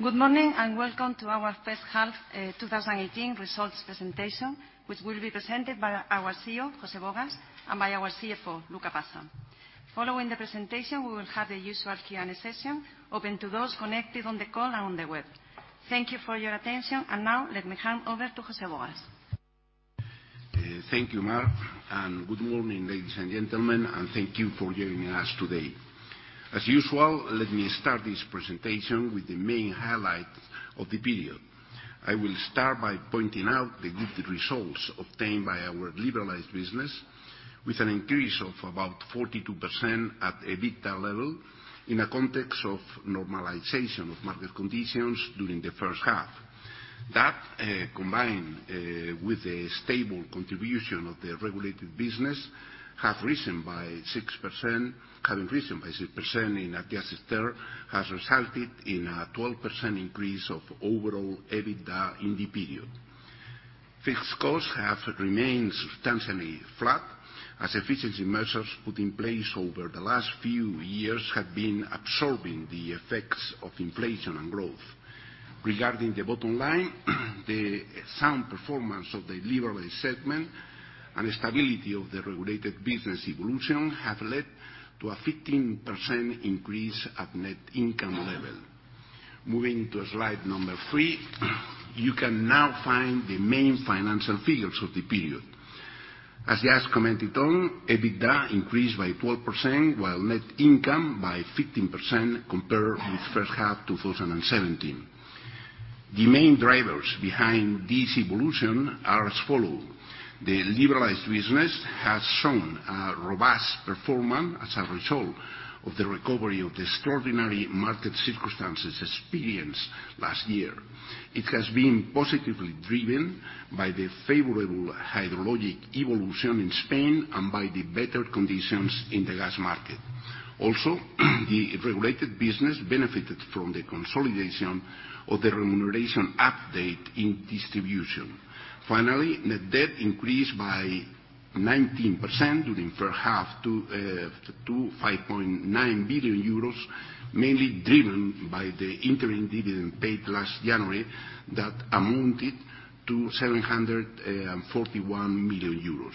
Good morning and welcome to our first half 2018 results presentation, which will be presented by our CEO, José Bogas, and by our CFO, Luca Passa. Following the presentation, we will have the usual Q&A session, open to those connected on the call and on the web. Thank you for your attention, and now let me hand over to José Bogas. Thank you, Mar, and good morning, ladies and gentlemen, and thank you for joining us today. As usual, let me start this presentation with the main highlight of the period. I will start by pointing out the good results obtained by our liberalized business, with an increase of about 42% at EBITDA level in a context of normalization of market conditions during the first half. That, combined with the stable contribution of the regulated business, has increased by 6% in adjusted terms, has resulted in a 12% increase of overall EBITDA in the period. Fixed costs have remained substantially flat, as efficiency measures put in place over the last few years have been absorbing the effects of inflation and growth. Regarding the bottom line, the sound performance of the liberalized segment and stability of the regulated business evolution have led to a 15% increase at net income level. Moving to slide number three, you can now find the main financial figures of the period. As just commented on, EBITDA increased by 12%, while net income by 15% compared with the first half of 2017. The main drivers behind this evolution are as follows: the liberalized business has shown a robust performance as a result of the recovery of the extraordinary market circumstances experienced last year. It has been positively driven by the favorable hydrologic evolution in Spain and by the better conditions in the gas market. Also, the regulated business benefited from the consolidation of the remuneration update in distribution. Finally, net debt increased by 19% during the first half to 5.9 billion euros, mainly driven by the interim dividend paid last January that amounted to 741 million euros.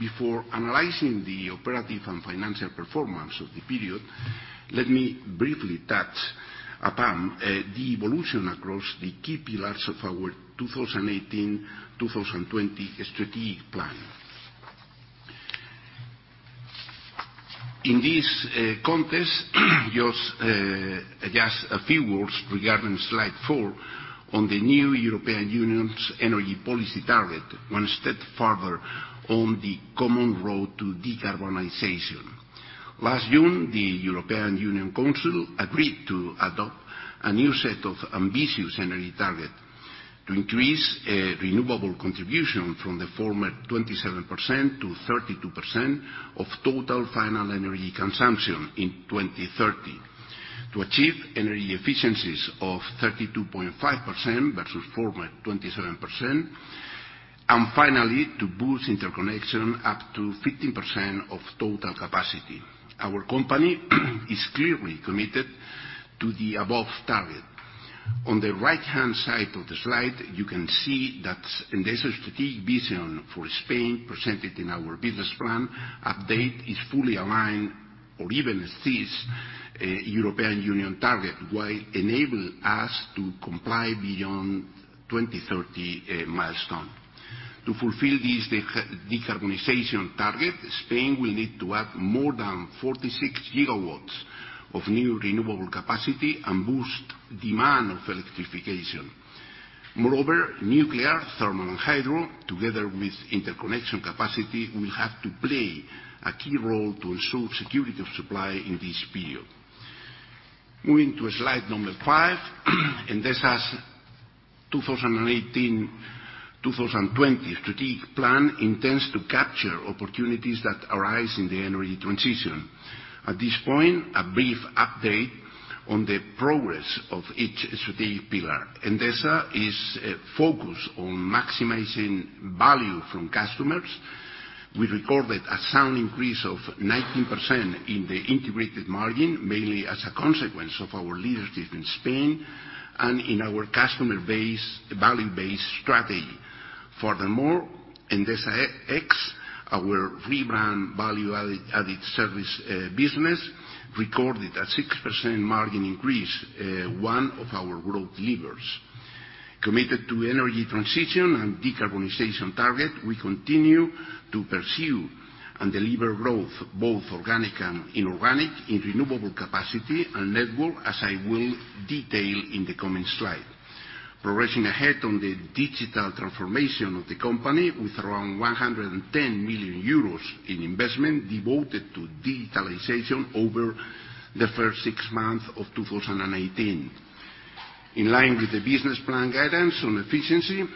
Before analyzing the operational and financial performance of the period, let me briefly touch upon the evolution across the key pillars of our 2018-2020 strategic plan. In this context, just a few words regarding slide four on the new European Union’s energy policy target, one step further on the common road to decarbonization. Last June, the European Union Council agreed to adopt a new set of ambitious energy targets to increase renewable contribution from the former 27% to 32% of total final energy consumption in 2030, to achieve energy efficiencies of 32.5% versus former 27%, and finally, to boost interconnection up to 15% of total capacity. Our company is clearly committed to the above target. On the right-hand side of the slide, you can see that this strategic vision for Spain presented in our business plan update is fully aligned or even assists European Union target while enabling us to comply beyond the 2030 milestone. To fulfill this decarbonization target, Spain will need to add more than 46 gigawatts of new renewable capacity and boost demand of electrification. Moreover, nuclear, thermal, and hydro, together with interconnection capacity, will have to play a key role to ensure security of supply in this period. Moving to slide number five, Endesa's 2018-2020 strategic plan intends to capture opportunities that arise in the energy transition. At this point, a brief update on the progress of each strategic pillar. Endesa is focused on maximizing value from customers. We recorded a sound increase of 19% in the integrated margin, mainly as a consequence of our leadership in Spain and in our customer-based value-based strategy. Furthermore, Endesa X, our rebrand value-added service business, recorded a 6% margin increase, one of our growth levers. Committed to energy transition and decarbonization target, we continue to pursue and deliver growth, both organic and inorganic, in renewable capacity and network, as I will detail in the coming slide. Progressing ahead on the digital transformation of the company with around 110 million euros in investment devoted to digitalization over the first six months of 2018. In line with the business plan guidance on efficiency,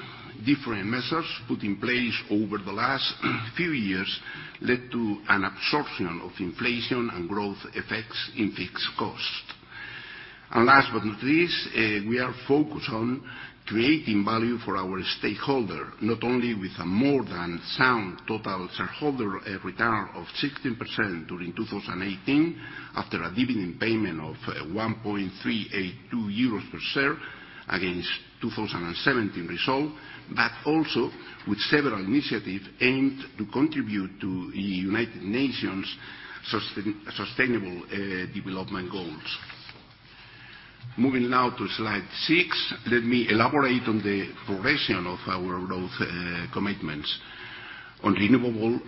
different measures put in place over the last few years led to an absorption of inflation and growth effects in fixed costs. Last but not least, we are focused on creating value for our stakeholders, not only with a more than sound total shareholder return of 16% during 2018 after a dividend payment of 1.382 euros per share against the 2017 result, but also with several initiatives aimed to contribute to the United Nations' Sustainable Development Goals. Moving now to slide six, let me elaborate on the progression of our growth commitments. On renewable,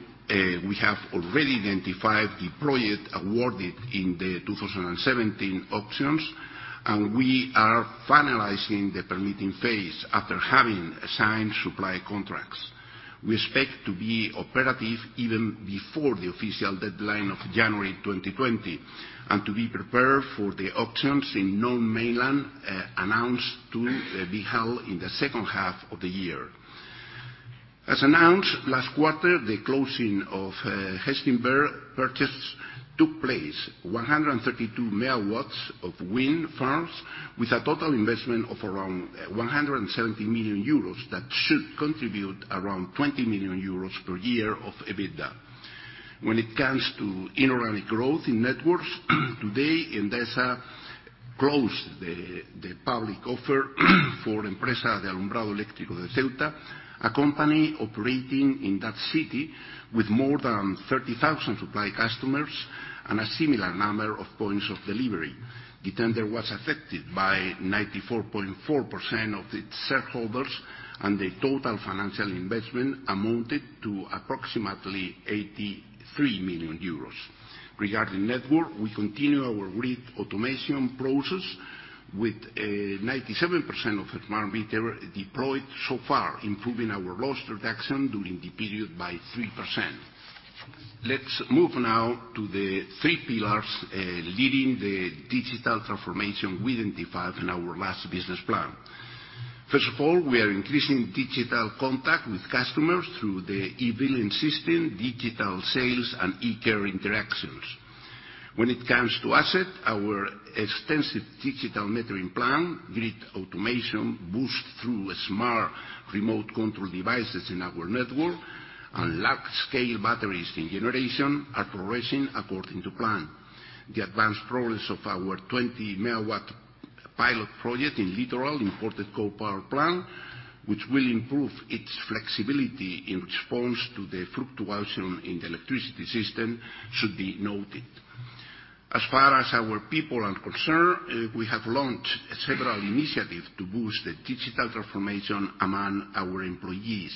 we have already identified the project awarded in the 2017 auctions, and we are finalizing the permitting phase after having signed supply contracts. We expect to be operative even before the official deadline of January 2020 and to be prepared for the auctions in Non-Mainland announced to be held in the second half of the year. As announced last quarter, the closing of Gestinver purchase took place: 132 megawatts of wind farms with a total investment of around 170 million euros that should contribute around 20 million euros per year of EBITDA. When it comes to inorganic growth in networks, today Endesa closed the public offer for Empresa de Alumbrado Eléctrico de Ceuta, a company operating in that city with more than 30,000 supply customers and a similar number of points of delivery. The tender was affected by 94.4% of its shareholders, and the total financial investment amounted to approximately 83 million euros. Regarding network, we continue our grid automation process with 97% of smart meter deployed so far, improving our loss reduction during the period by 3%. Let's move now to the three pillars leading the digital transformation we identified in our last business plan. First of all, we are increasing digital contact with customers through the e-billing system, digital sales, and e-care interactions. When it comes to assets, our extensive digital metering plan, grid automation boost through smart remote control devices in our network, and large-scale batteries in generation are progressing according to plan. The advanced progress of our 20-megawatt pilot project in Litoral imported coal power plant, which will improve its flexibility in response to the fluctuation in the electricity system, should be noted. As far as our people are concerned, we have launched several initiatives to boost the digital transformation among our employees,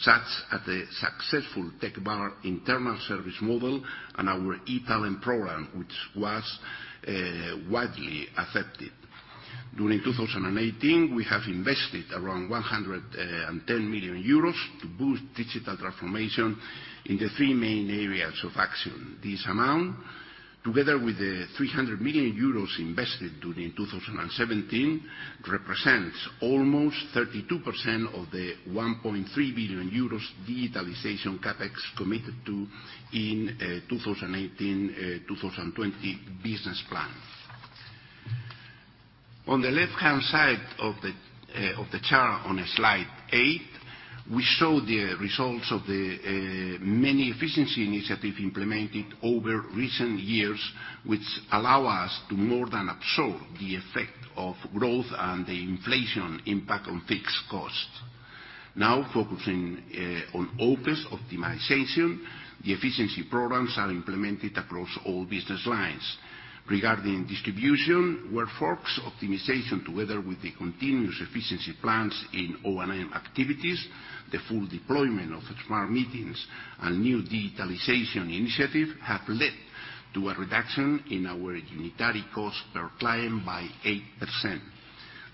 such as the successful TechBar internal service model and our e-Talent program, which was widely accepted. During 2018, we have invested around 110 million euros to boost digital transformation in the three main areas of action. This amount, together with the 300 million euros invested during 2017, represents almost 32% of the 1.3 billion euros digitalization CapEx committed to in the 2018-2020 business plan. On the left-hand side of the chart on slide eight, we show the results of the many efficiency initiatives implemented over recent years, which allow us to more than absorb the effect of growth and the inflation impact on fixed costs. Now, focusing on OpEx optimization, the efficiency programs are implemented across all business lines. Regarding distribution, workforce optimization together with the continuous efficiency plans in O&M activities, the full deployment of smart meters, and new digitalization initiatives have led to a reduction in our unitary cost per client by 8%.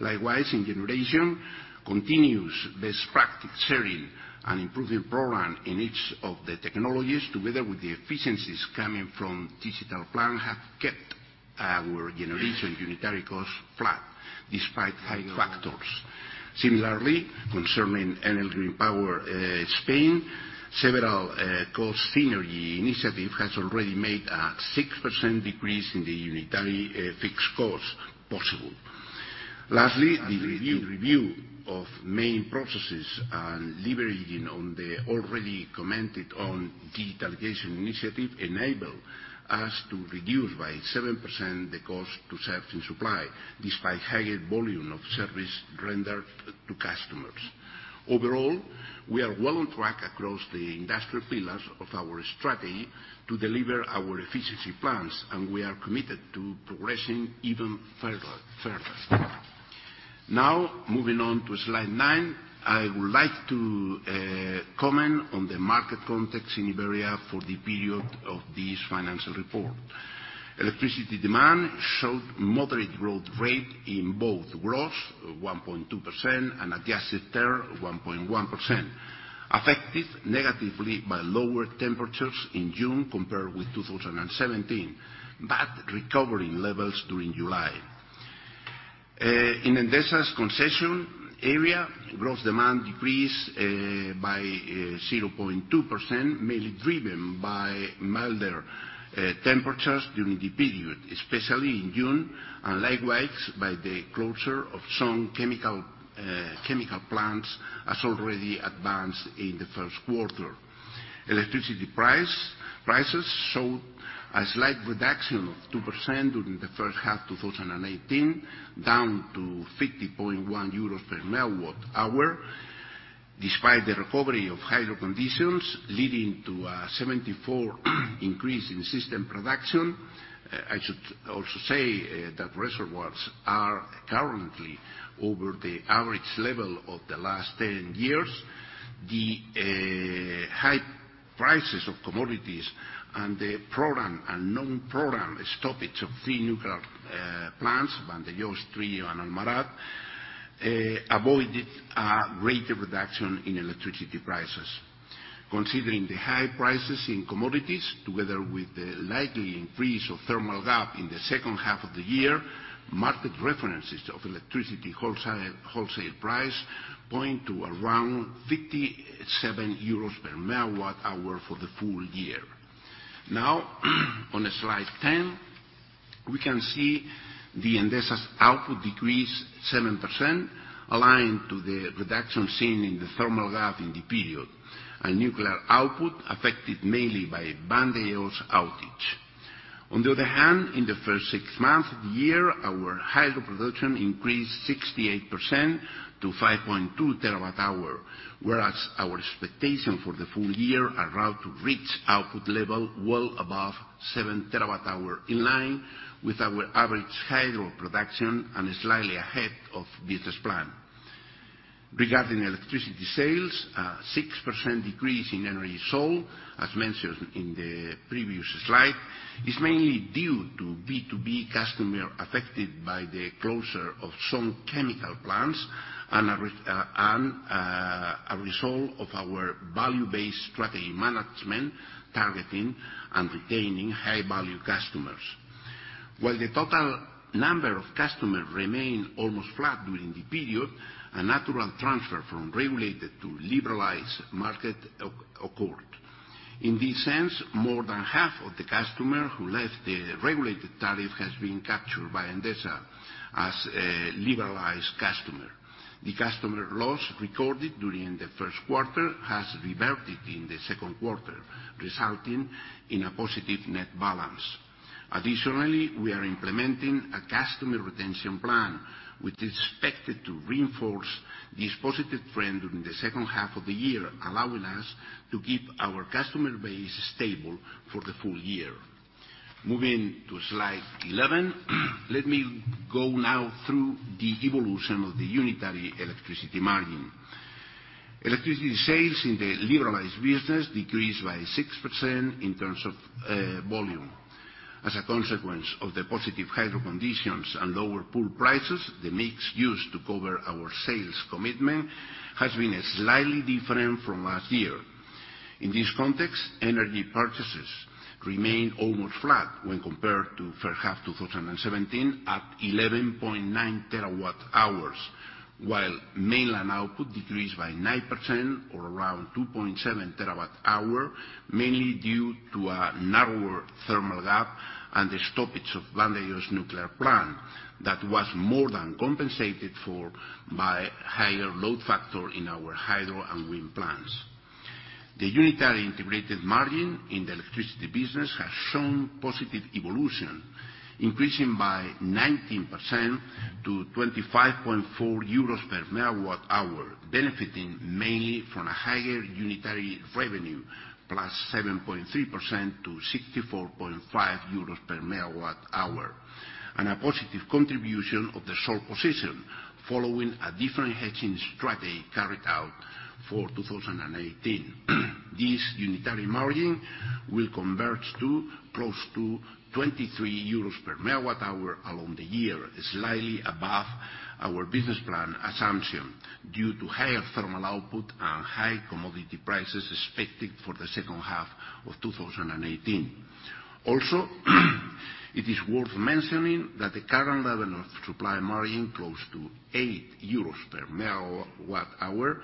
Likewise, in generation, continuous best practice sharing and improving program in each of the technologies, together with the efficiencies coming from digital plan, have kept our generation unitary costs flat despite higher factors. Similarly, concerning energy and power in Spain, several cost synergy initiatives have already made a 6% decrease in the unitary fixed costs possible. Lastly, the review of main processes and leveraging on the already commented on digitalization initiative enabled us to reduce by 7% the cost to service and supply, despite higher volume of service rendered to customers. Overall, we are well on track across the industrial pillars of our strategy to deliver our efficiency plans, and we are committed to progressing even further. Now, moving on to slide nine, I would like to comment on the market context in Iberia for the period of this financial report. Electricity demand showed moderate growth rate in both gross, 1.2%, and adjusted term, 1.1%, affected negatively by lower temperatures in June compared with 2017, but recovering levels during July. In Endesa's concession area, gross demand decreased by 0.2%, mainly driven by milder temperatures during the period, especially in June, and likewise by the closure of some chemical plants as already advanced in the first quarter. Electricity prices showed a slight reduction of 2% during the first half of 2018, down to 50.1 euros per megawatt hour, despite the recovery of hydro conditions leading to a 74% increase in system production. I should also say that reservoirs are currently over the average level of the last 10 years. The high prices of commodities and the planned and unplanned stoppage of three nuclear plants, Vandellós, Trillo, and Almaraz, avoided a greater reduction in electricity prices. Considering the high prices in commodities, together with the likely increase of thermal gap in the second half of the year, market references of electricity wholesale price point to around 57 euros per megawatt hour for the full year. Now, on slide 10, we can see Endesa's output decreased 7%, aligned to the reduction seen in the thermal gap in the period. Nuclear output affected mainly by Vandellós outage. On the other hand, in the first six months of the year, our hydro production increased 68% to 5.2 terawatt hour, whereas our expectation for the full year is about to reach output level well above 7 terawatt hour in line, with our average hydro production slightly ahead of business plan. Regarding electricity sales, a 6% decrease in energy sold, as mentioned in the previous slide, is mainly due to B2B customers affected by the closure of some chemical plants and a result of our value-based strategy management targeting and retaining high-value customers. While the total number of customers remained almost flat during the period, a natural transfer from regulated to liberalized market occurred. In this sense, more than half of the customers who left the regulated tariff have been captured by Endesa as liberalized customers. The customer loss recorded during the first quarter has reverted in the second quarter, resulting in a positive net balance. Additionally, we are implementing a customer retention plan, which is expected to reinforce this positive trend during the second half of the year, allowing us to keep our customer base stable for the full year. Moving to slide 11, let me go now through the evolution of the unitary electricity margin. Electricity sales in the liberalized business decreased by 6% in terms of volume. As a consequence of the positive hydro conditions and lower pool prices, the mix used to cover our sales commitment has been slightly different from last year. In this context, energy purchases remain almost flat when compared to first half 2017 at 11.9 terawatt hours, while mainland output decreased by 9% or around 2.7 terawatt hour, mainly due to a narrower thermal gap and the stoppage of Vandellós nuclear plant that was more than compensated for by higher load factor in our hydro and wind plants. The unitary integrated margin in the electricity business has shown positive evolution, increasing by 19% to 25.4 euros per megawatt hour, benefiting mainly from a higher unitary revenue, plus 7.3% to 64.5 euros per megawatt hour, and a positive contribution of the short position following a different hedging strategy carried out for 2018. This unitary margin will convert to close to 23 euros per megawatt hour along the year, slightly above our business plan assumption due to higher thermal output and high commodity prices expected for the second half of 2018. Also, it is worth mentioning that the current level of supply margin, close to 8 euros per megawatt hour in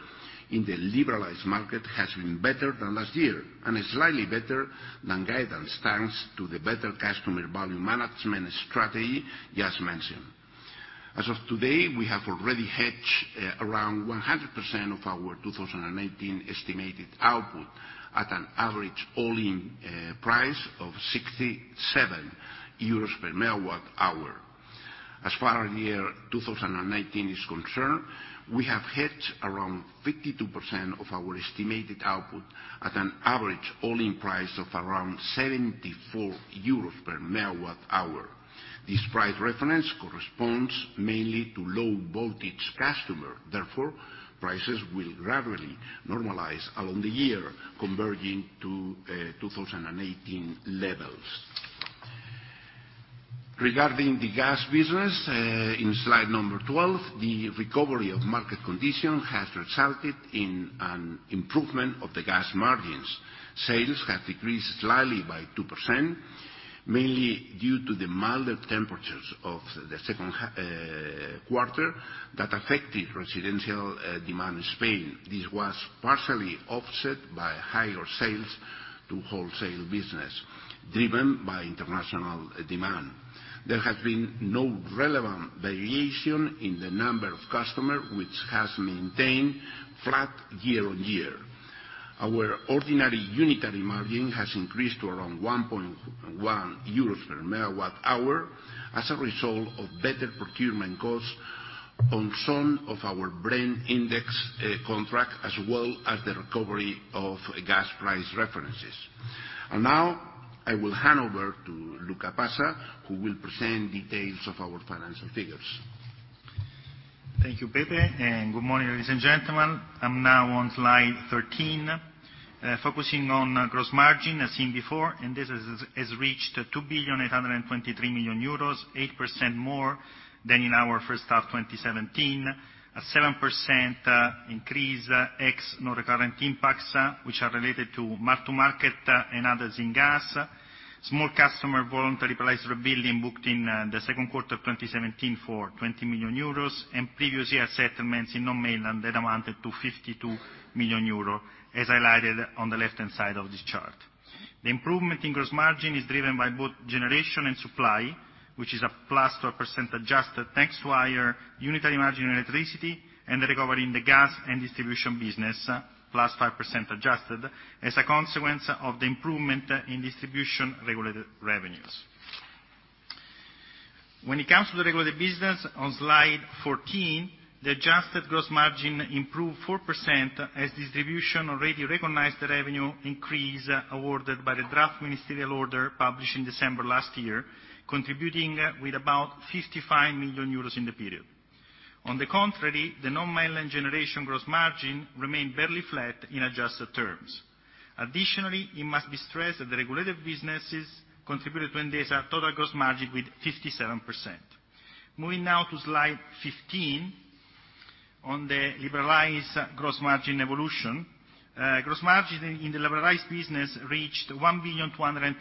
the liberalized market, has been better than last year and is slightly better than guidance thanks to the better customer value management strategy just mentioned. As of today, we have already hedged around 100% of our 2018 estimated output at an average all-in price of 67 euros per megawatt hour. As far as the year 2019 is concerned, we have hedged around 52% of our estimated output at an average all-in price of around 74 euros per megawatt hour. This price reference corresponds mainly to low-voltage customers. Therefore, prices will gradually normalize along the year, converging to 2018 levels. Regarding the gas business, in slide number 12, the recovery of market conditions has resulted in an improvement of the gas margins. Sales have decreased slightly by 2%, mainly due to the milder temperatures of the second quarter that affected residential demand in Spain. This was partially offset by higher sales to wholesale business, driven by international demand. There has been no relevant variation in the number of customers, which has maintained flat year on year. Our ordinary unitary margin has increased to around 1.1 euros per megawatt hour as a result of better procurement costs on some of our brand index contracts, as well as the recovery of gas price references. Now, I will hand over to Luca Passa, who will present details of our financial figures. Thank you, Pepe. Good morning, ladies and gentlemen. I'm now on slide 13, focusing on gross margin, as seen before, and this has reached 2.823 billion euros, 8% more than in our first half of 2017, a 7% increase ex non-recurrent impacts, which are related to mark-to-market and others in gas, small customer voluntary price rebuilding booked in the second quarter of 2017 for 20 million euros, and previous year settlements in non-mainland that amounted to 52 million euros, as highlighted on the left-hand side of this chart. The improvement in gross margin is driven by both generation and supply, which is a plus 12% adjusted next to higher unitary margin in electricity, and the recovery in the gas and distribution business, plus 5% adjusted, as a consequence of the improvement in distribution regulated revenues. When it comes to the regulated business, on slide 14, the adjusted gross margin improved 4% as distribution already recognized the revenue increase awarded by the draft ministerial order published in December last year, contributing with about 55 million euros in the period. On the contrary, the non-mainland generation gross margin remained barely flat in adjusted terms. Additionally, it must be stressed that the regulated businesses contributed to Endesa's total gross margin with 57%. Moving now to slide 15, on the liberalized gross margin evolution, gross margin in the liberalized business reached 1.227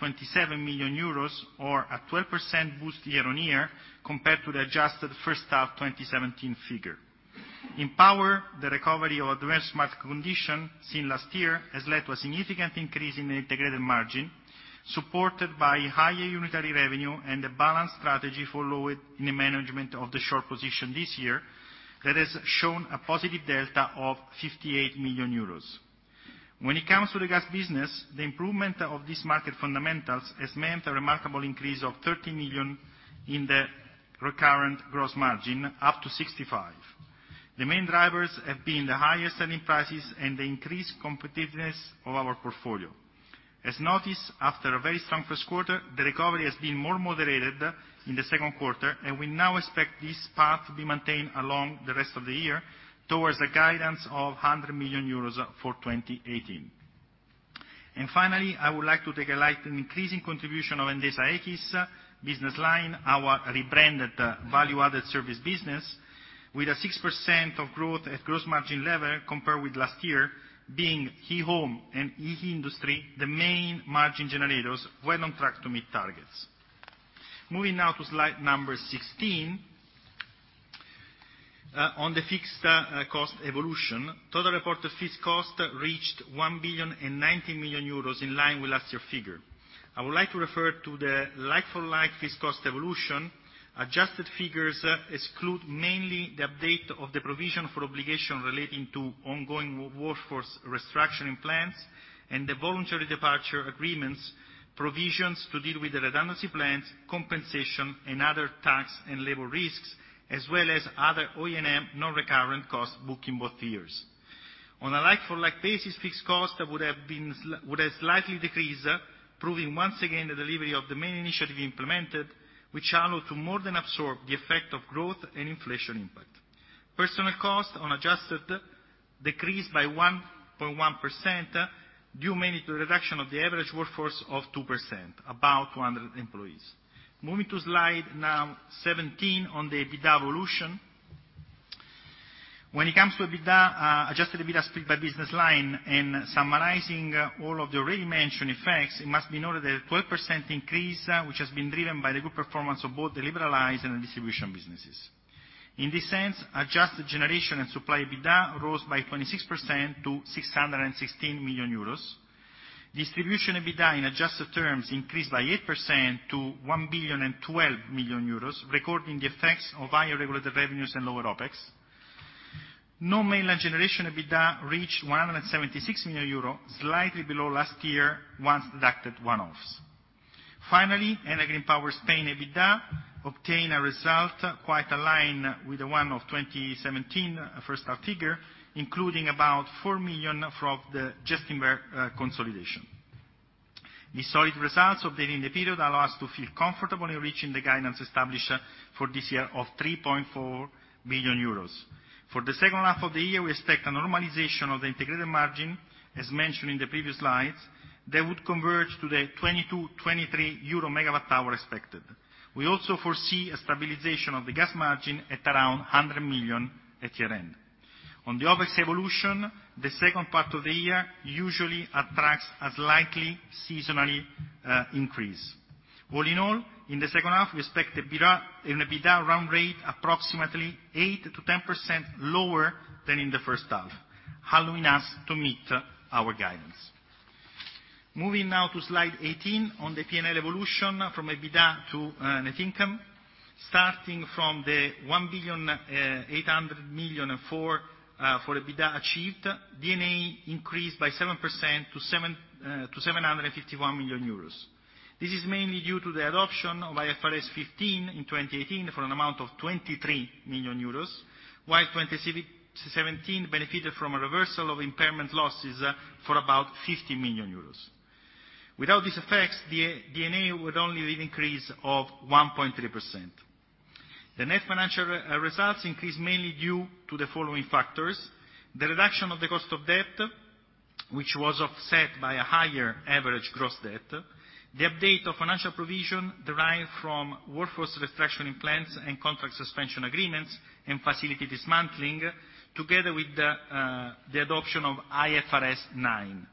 billion euros, or a 12% boost year on year compared to the adjusted first half 2017 figure. In power, the recovery of adverse market conditions seen last year has led to a significant increase in the integrated margin, supported by higher unitary revenue and a balanced strategy followed in the management of the short position this year that has shown a positive delta of 58 million euros. When it comes to the gas business, the improvement of these market fundamentals has meant a remarkable increase of 30 million in the recurrent gross margin, up to 65. The main drivers have been the higher selling prices and the increased competitiveness of our portfolio. As noticed, after a very strong first quarter, the recovery has been more moderated in the second quarter, and we now expect this path to be maintained along the rest of the year towards a guidance of 100 million euros for 2018. Finally, I would like to shed light on the increasing contribution of Endesa X's business line, our rebranded value-added service business, with 6% growth at gross margin level compared with last year, being e-Home and e-Industry the main margin generators well on track to meet targets. Moving now to slide number 16, on the fixed cost evolution, total reported fixed costs reached 1.09 billion in line with last year's figure. I would like to refer to the like-for-like fixed cost evolution. Adjusted figures exclude mainly the update of the provision for obligation relating to ongoing workforce restructuring plans and the voluntary departure agreements provisions to deal with the redundancy plans, compensation, and other tax and labor risks, as well as other OEM non-recurrent costs booked in both years. On a like-for-like basis, fixed costs would have been slightly decreased, proving once again the delivery of the main initiative implemented, which allowed to more than absorb the effect of growth and inflation impact. Personnel costs on adjusted decreased by 1.1% due mainly to the reduction of the average workforce of 2%, about 200 employees. Moving now to slide 17 on the EBITDA evolution. When it comes to EBITDA, adjusted EBITDA split by business line, and summarizing all of the already mentioned effects, it must be noted that a 12% increase, which has been driven by the good performance of both the liberalized and the distribution businesses. In this sense, adjusted generation and supply EBITDA rose by 26% to 616 million euros. Distribution EBITDA in adjusted terms increased by 8% to 1.12 billion, recording the effects of higher regulated revenues and lower OpEx. Non-mainland generation EBITDA reached 176 million euro, slightly below last year once deducted one-offs. Finally, Energy and Power Spain EBITDA obtained a result quite aligned with the one of 2017, a first half figure, including about 4 million from the Gestinver consolidation. These solid results updating the period allow us to feel comfortable in reaching the guidance established for this year of 3.4 billion euros. For the second half of the year, we expect a normalization of the integrated margin, as mentioned in the previous slides, that would converge to the €22-€23 euro megawatt hour expected. We also foresee a stabilization of the gas margin at around €100 million at year-end. On the OpEx evolution, the second part of the year usually attracts a slight seasonal increase. All in all, in the second half, we expect an EBITDA run rate approximately 8%-10% lower than in the first half, allowing us to meet our guidance. Moving now to slide 18 on the P&L evolution from EBITDA to net income. Starting from the €1,800 million for EBITDA achieved, depreciation and amortization increased by 7% to €751 million. This is mainly due to the adoption of IFRS 15 in 2018 for an amount of 23 million euros, while 2017 benefited from a reversal of impairment losses for about 50 million euros. Without these effects, EBITDA would only increase of 1.3%. The net financial results increased mainly due to the following factors: the reduction of the cost of debt, which was offset by a higher average gross debt, the update of financial provision derived from workforce restructuring plans and contract suspension agreements, and facility dismantling, together with the adoption of IFRS 9.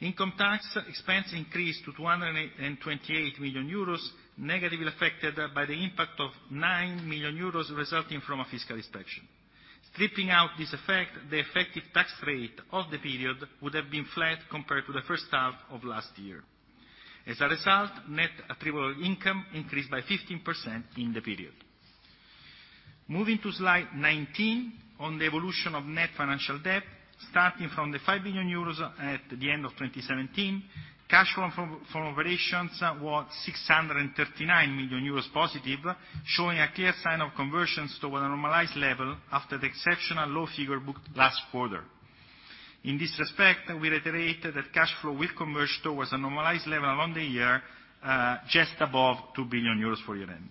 Income tax expense increased to 228 million euros, negatively affected by the impact of nine million euros resulting from a fiscal inspection. Stripping out this effect, the effective tax rate of the period would have been flat compared to the first half of last year. As a result, net attributable income increased by 15% in the period. Moving to slide 19, on the evolution of net financial debt, starting from 5 billion euros at the end of 2017, cash flow from operations was 639 million euros positive, showing a clear sign of convergence towards a normalized level after the exceptional low figure booked last quarter. In this respect, we reiterate that cash flow will converge towards a normalized level along the year, just above 2 billion euros for year-end.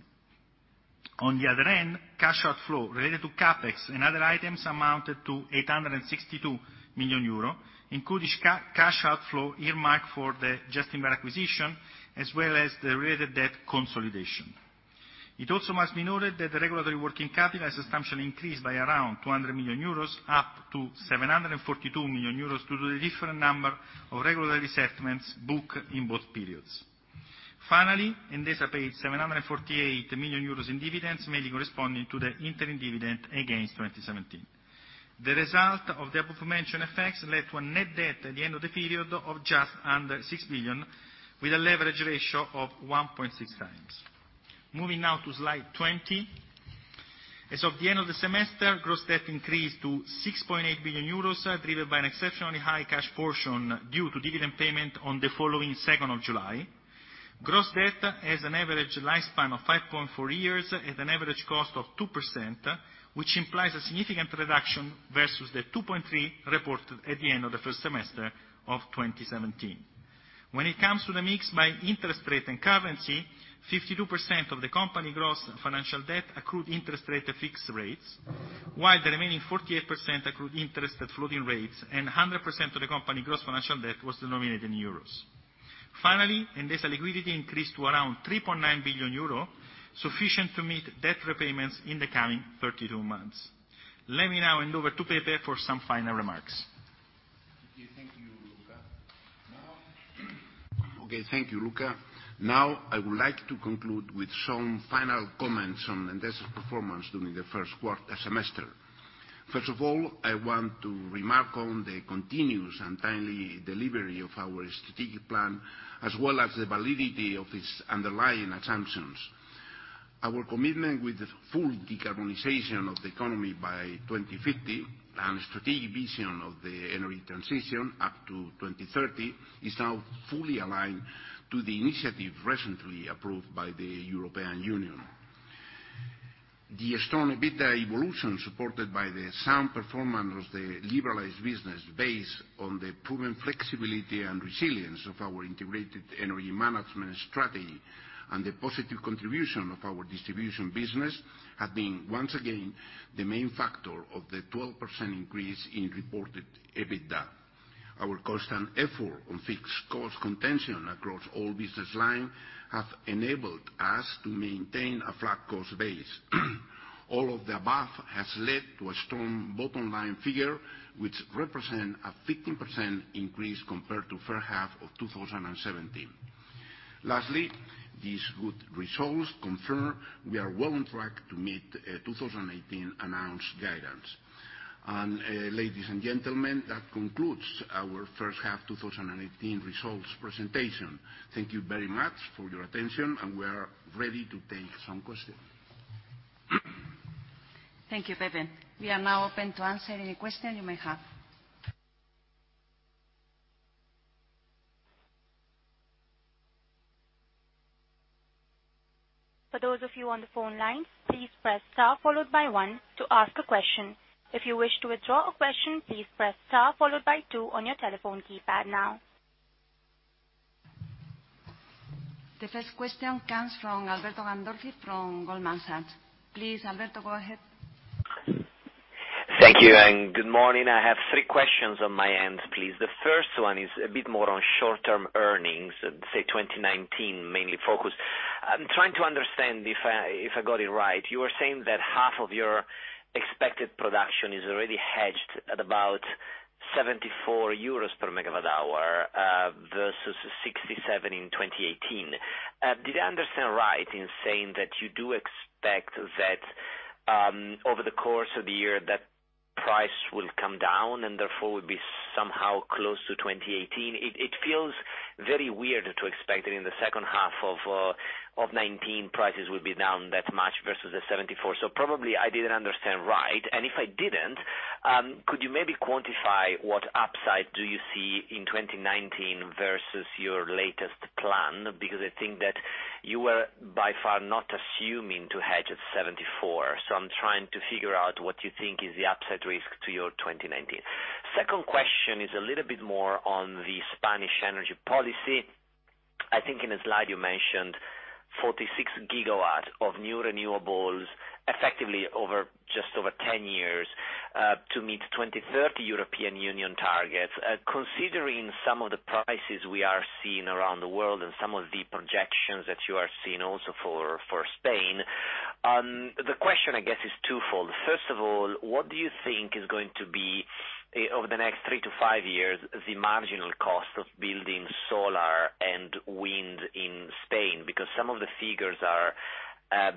On the other end, cash outflow related to CapEx and other items amounted to 862 million euro, including cash outflow earmarked for the Gestinver acquisition, as well as the related debt consolidation. It also must be noted that the regulatory working capital has substantially increased by around 200 million euros, up to 742 million euros due to the different number of regulatory settlements booked in both periods. Finally, Endesa paid 748 million euros in dividends, mainly corresponding to the interim dividend against 2017. The result of the above-mentioned effects led to a net debt at the end of the period of just under 6 billion EUR, with a leverage ratio of 1.6 times. Moving now to slide 20. As of the end of the semester, gross debt increased to 6.8 billion euros, driven by an exceptionally high cash portion due to dividend payment on the following 2nd of July. Gross debt has an average lifespan of 5.4 years at an average cost of 2%, which implies a significant reduction versus the 2.3 reported at the end of the first semester of 2017. When it comes to the mixed buy interest rate and currency, 52% of the company gross financial debt accrued interest rate fixed rates, while the remaining 48% accrued interest at floating rates, and 100% of the company gross financial debt was denominated in euros. Finally, Endesa liquidity increased to around 3.9 billion euro, sufficient to meet debt repayments in the coming 32 months. Let me now hand over to Pepe for some final remarks. Thank you, Luca. Now. Okay, thank you, Luca. Now, I would like to conclude with some final comments on Endesa's performance during the first quarter semester. First of all, I want to remark on the continuous and timely delivery of our strategic plan, as well as the validity of its underlying assumptions. Our commitment with the full decarbonization of the economy by 2050 and strategic vision of the energy transition up to 2030 is now fully aligned to the initiative recently approved by the European Union. The strong EBITDA evolution supported by the sound performance of the liberalized business based on the proven flexibility and resilience of our integrated energy management strategy and the positive contribution of our distribution business have been once again the main factor of the 12% increase in reported EBITDA. Our constant effort on fixed cost contention across all business lines has enabled us to maintain a flat cost base. All of the above has led to a strong bottom line figure, which represents a 15% increase compared to the first half of 2017. Lastly, these good results confirm we are well on track to meet 2018 announced guidance, and ladies and gentlemen, that concludes our first half 2018 results presentation. Thank you very much for your attention, and we are ready to take some questions. Thank you, Pepe. We are now open to answer any question you may have. For those of you on the phone line, please press star followed by one to ask a question. If you wish to withdraw a question, please press star followed by two on your telephone keypad now. The first question comes from Alberto Gandolfi from Goldman Sachs. Please, Alberto, go ahead. Thank you, and good morning. I have three questions on my end, please. The first one is a bit more on short-term earnings, say 2019 mainly focused. I'm trying to understand if I got it right. You were saying that half of your expected production is already hedged at about 74 euros per megawatt hour versus 67 EUR in 2018. Did I understand right in saying that you do expect that over the course of the year that price will come down and therefore will be somehow close to 2018? It feels very weird to expect that in the second half of 2019 prices will be down that much versus the 74. So probably I didn't understand right. And if I didn't, could you maybe quantify what upside do you see in 2019 versus your latest plan? Because I think that you were by far not assuming to hedge at 74. I'm trying to figure out what you think is the upside risk to your 2019. Second question is a little bit more on the Spanish energy policy. I think in a slide you mentioned 46 gigawatts of new renewables effectively over just over 10 years to meet 2030 European Union targets. Considering some of the prices we are seeing around the world and some of the projections that you are seeing also for Spain, the question, I guess, is twofold. First of all, what do you think is going to be, over the next three to five years, the marginal cost of building solar and wind in Spain? Because some of the figures are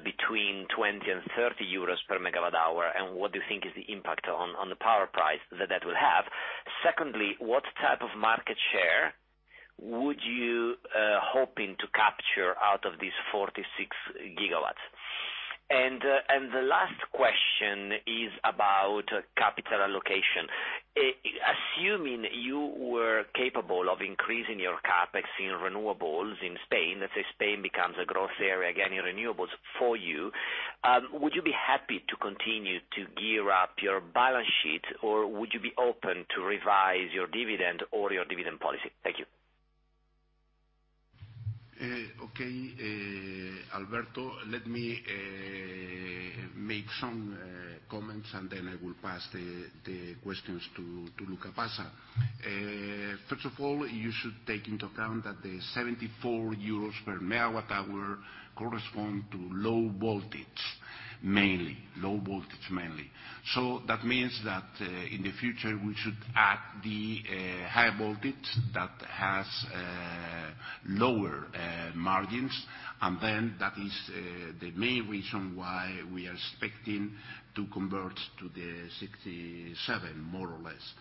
between 20 and 30 euros per megawatt hour, and what do you think is the impact on the power price that that will have? Secondly, what type of market share are you hoping to capture out of these 46 gigawatts? And the last question is about capital allocation. Assuming you were capable of increasing your CapEx in renewables in Spain, let's say Spain becomes a growth area again in renewables for you, would you be happy to continue to gear up your balance sheet, or would you be open to revise your dividend or your dividend policy? Thank you. Okay, Alberto, let me make some comments, and then I will pass the questions to Luca Passa. First of all, you should take into account that the 74 euros per megawatt hour corresponds to low voltage, mainly, low voltage mainly. So that means that in the future we should add the high voltage that has lower margins, and then that is the main reason why we are expecting to convert to the 67, more or less,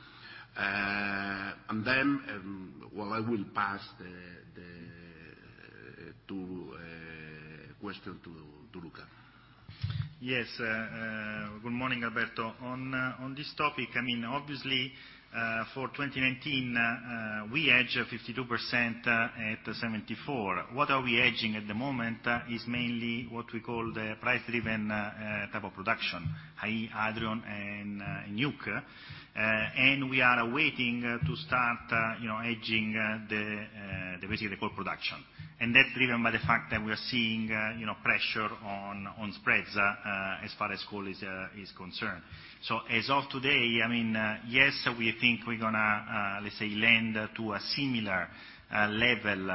and then, well, I will pass the question to Luca. Yes, good morning, Alberto. On this topic, I mean, obviously, for 2019, we hedged 52% at 74. What we are hedging at the moment is mainly what we call the price-driven type of production, i.e., hydro and nuke, and we are waiting to start hedging basically the core production. That's driven by the fact that we are seeing pressure on spreads as far as coal is concerned. So as of today, I mean, yes, we think we're going to, let's say, end up at a similar level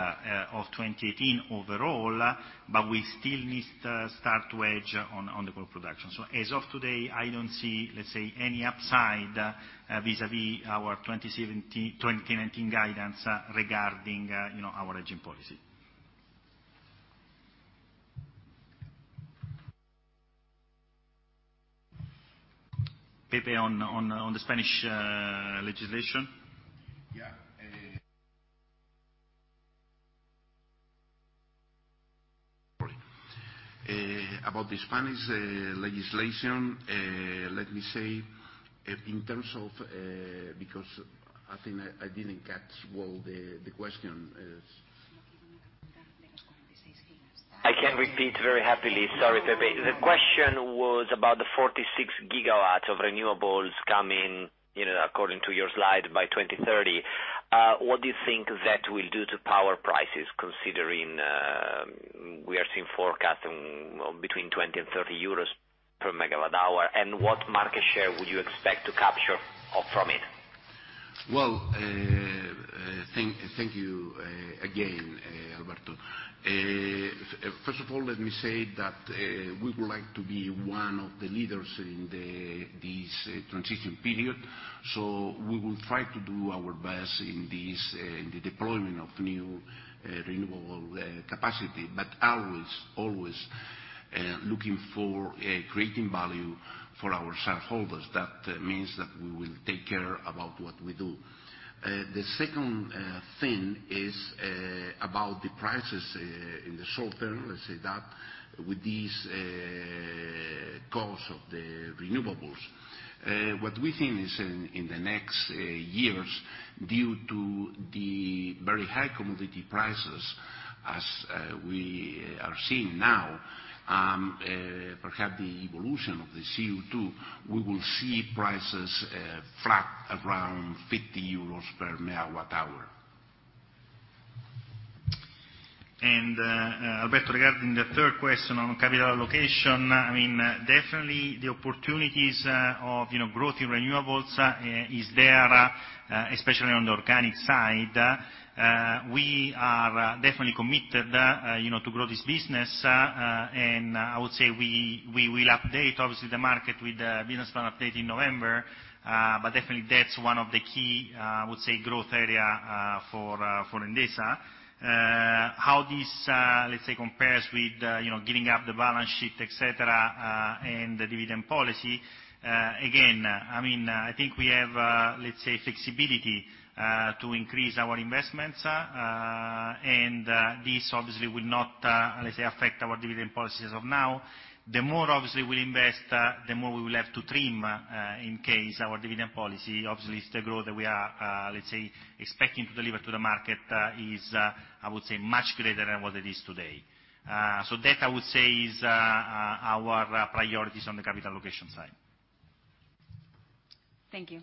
of 2018 overall, but we still need to start to hedge on the core production. So as of today, I don't see, let's say, any upside vis-à-vis our 2019 guidance regarding our hedging policy. Pepe on the Spanish legislation. Yeah. About the Spanish legislation, let me say, in terms of because I think I didn't catch well the question. I can repeat very happily, sorry, Pepe. The question was about the 46 gigawatts of renewables coming, according to your slide, by 2030. What do you think that will do to power prices, considering we are seeing forecasts between 20 and 30 euros per megawatt hour, and what market share would you expect to capture from it? Thank you again, Alberto. First of all, let me say that we would like to be one of the leaders in this transition period, so we will try to do our best in the deployment of new renewable capacity, but always, always looking for creating value for our shareholders. That means that we will take care about what we do. The second thing is about the prices in the short term, let's say that, with these costs of the renewables. What we think is in the next years, due to the very high commodity prices, as we are seeing now, perhaps the evolution of the CO2, we will see prices flat around 50 euros per megawatt hour. Alberto, regarding the third question on capital allocation, I mean, definitely the opportunities of growth in renewables is there, especially on the organic side. We are definitely committed to grow this business, and I would say we will update, obviously, the market with the business plan update in November, but definitely that's one of the key, I would say, growth areas for Endesa. How this, let's say, compares with gearing up the balance sheet, etc., and the dividend policy. Again, I mean, I think we have, let's say, flexibility to increase our investments, and this obviously will not, let's say, affect our dividend policies as of now. The more obviously we invest, the more we will have to trim in case our dividend policy, obviously, is the growth that we are, let's say, expecting to deliver to the market is, I would say, much greater than what it is today. So that, I would say, is our priorities on the capital allocation side. Thank you.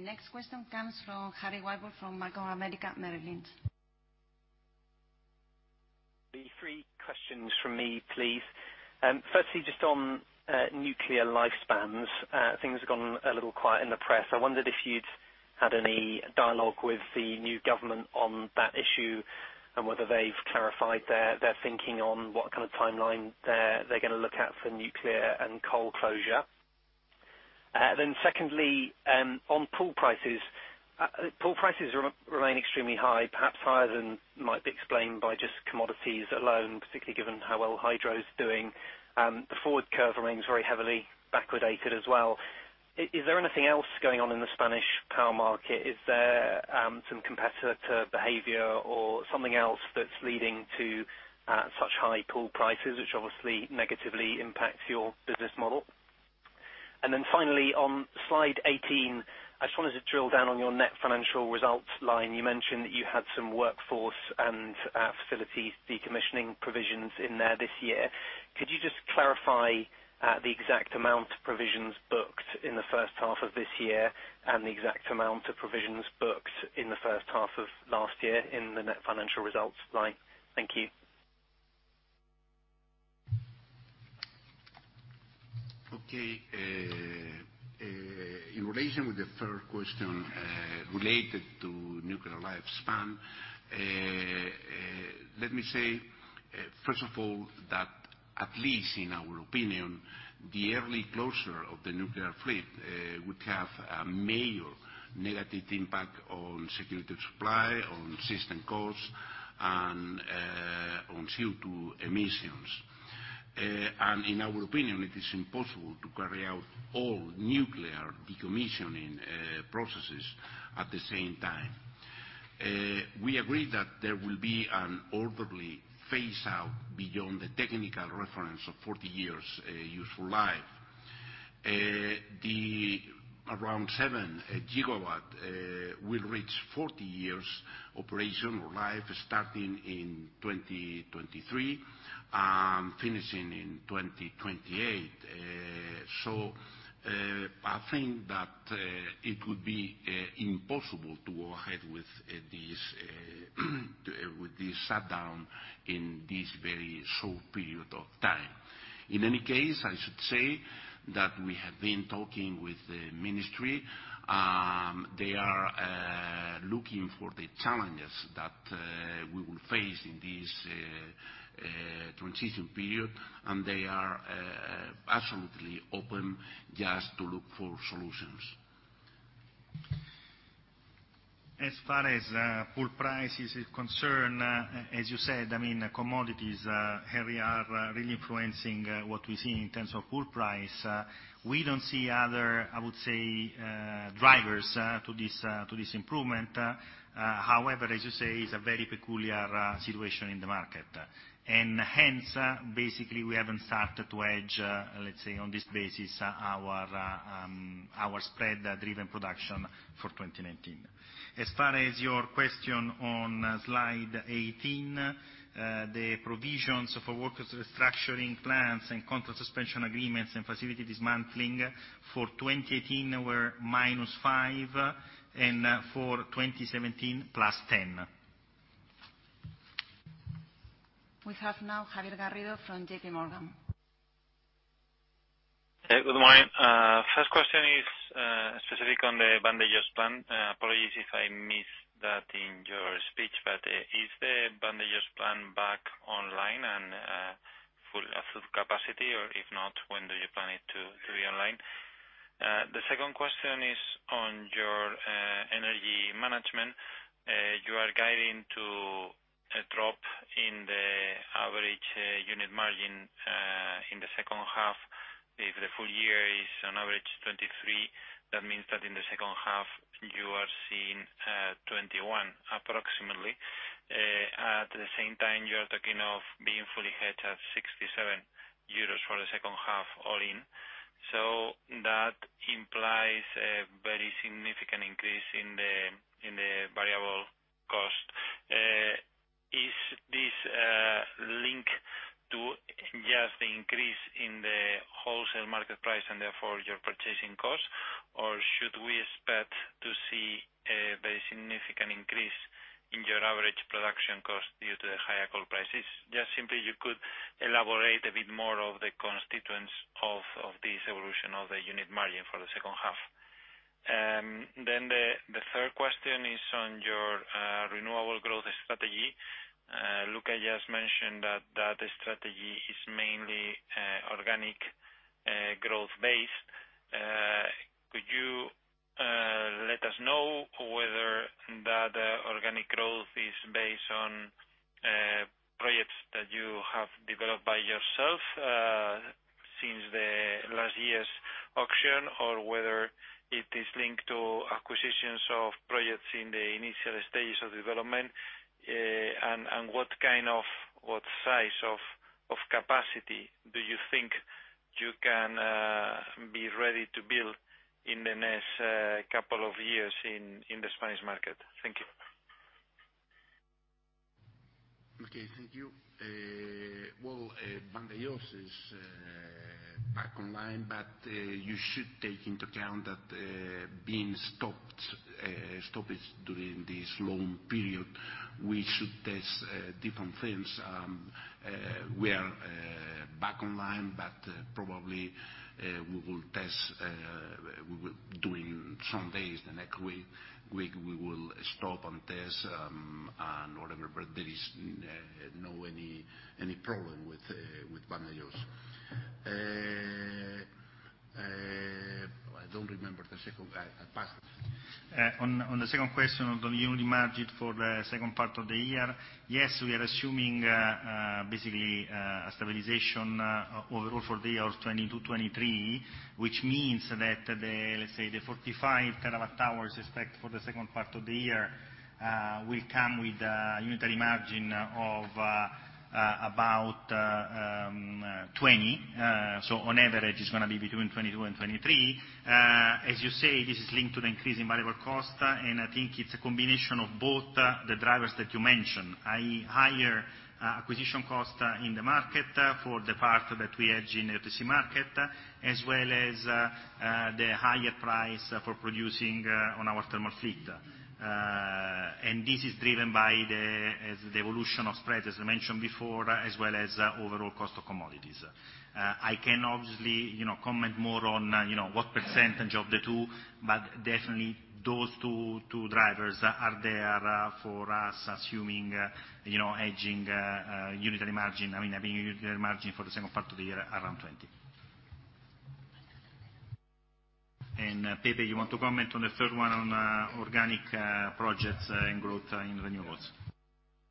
Next question comes from Harry Wyburd from Bank of America Merrill Lynch, Netherlands. Three questions from me, please. Firstly, just on nuclear lifespans, things have gone a little quiet in the press. I wondered if you'd had any dialogue with the new government on that issue and whether they've clarified their thinking on what kind of timeline they're going to look at for nuclear and coal closure. Then secondly, on pool prices, pool prices remain extremely high, perhaps higher than might be explained by just commodities alone, particularly given how well hydro is doing. The forward curve remains very heavily backwardated as well. Is there anything else going on in the Spanish power market? Is there some competitor behavior or something else that's leading to such high pool prices, which obviously negatively impacts your business model? And then finally, on slide 18, I just wanted to drill down on your net financial results line. You mentioned that you had some workforce and facilities decommissioning provisions in there this year. Could you just clarify the exact amount of provisions booked in the first half of this year and the exact amount of provisions booked in the first half of last year in the net financial results line? Thank you. Okay. In relation with the third question related to nuclear lifespan, let me say, first of all, that at least in our opinion, the early closure of the nuclear fleet would have a major negative impact on security of supply, on system costs, and on CO2 emissions. And in our opinion, it is impossible to carry out all nuclear decommissioning processes at the same time. We agree that there will be an orderly phase-out beyond the technical reference of 40 years useful life. The around 7 gigawatts will reach 40 years operational life starting in 2023 and finishing in 2028. So I think that it would be impossible to go ahead with this shutdown in this very short period of time. In any case, I should say that we have been talking with the ministry. They are looking for the challenges that we will face in this transition period, and they are absolutely open just to look for solutions. As far as pool prices are concerned, as you said, I mean, commodities, Harry, are really influencing what we see in terms of pool price. We don't see other, I would say, drivers to this improvement. However, as you say, it's a very peculiar situation in the market, and hence, basically, we haven't started to hedge, let's say, on this basis, our spread-driven production for 2019. As far as your question on slide 18, the provisions for workers' restructuring plans and contract suspension agreements and facilities dismantling for 2018 were minus 5, and for 2017, plus 10. We have now Javier Garrido from J.P. Morgan. Good morning. First question is specific on the Vandellós plant. Apologies if I missed that in your speech, but is the Vandellós plant back online and full capacity, or if not, when do you plan it to be online? The second question is on your energy management. You are guiding to a drop in the average unit margin in the second half. If the full year is on average 23, that means that in the second half, you are seeing 21, approximately. At the same time, you are talking of being fully hedged at 67 euros for the second half all in. So that implies a very significant increase in the variable cost. Is this linked to just the increase in the wholesale market price and therefore your purchasing cost, or should we expect to see a very significant increase in your average production cost due to the higher coal prices? Just simply, you could elaborate a bit more of the constituents of this evolution of the unit margin for the second half. Then the third question is on your renewable growth strategy. Luca just mentioned that that strategy is mainly organic growth-based. Could you let us know whether that organic growth is based on projects that you have developed by yourself since the last year's auction, or whether it is linked to acquisitions of projects in the initial stages of development, and what kind of, what size of capacity do you think you can be ready to build in the next couple of years in the Spanish market? Thank you. Okay, thank you. Well, Vandellós is back online, but you should take into account that being stopped during this long period, we should test different things. We are back online, but probably we will test during Sundays, the next week, we will stop and test and whatever, but there is no any problem with Vandellós. I don't remember the second. On the second question on the unit margin for the second part of the year, yes, we are assuming basically a stabilization overall for the year of 2022-2023, which means that the, let's say, the 45 terawatt hours expected for the second part of the year will come with a unitary margin of about €20. So on average, it's going to be between €22 and €23. As you say, this is linked to the increase in variable cost, and I think it's a combination of both the drivers that you mentioned, i.e., higher acquisition cost in the market for the part that we hedge in the OTC market, as well as the higher price for producing on our thermal fleet. And this is driven by the evolution of spreads, as I mentioned before, as well as overall cost of commodities. I can obviously comment more on what percentage of the two, but definitely those two drivers are there for us assuming hedging unitary margin. I mean, I think unitary margin for the second part of the year around €20. And Pepe, you want to comment on the third one on organic projects and growth in renewables?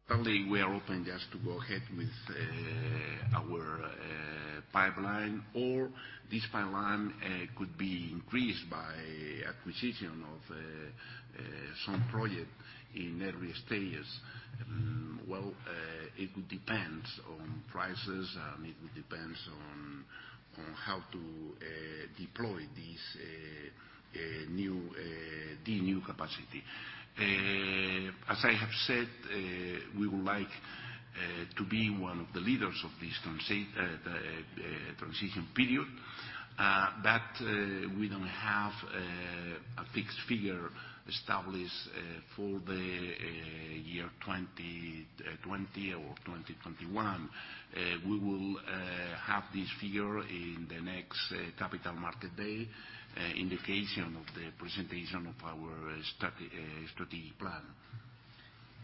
Probably we are open just to go ahead with our pipeline, or this pipeline could be increased by acquisition of some project in every stage. It would depend on prices, and it would depend on how to deploy this new capacity. As I have said, we would like to be one of the leaders of this transition period, but we don't have a fixed figure established for the year 2020 or 2021. We will have this figure in the next capital market day in the occasion of the presentation of our strategic plan.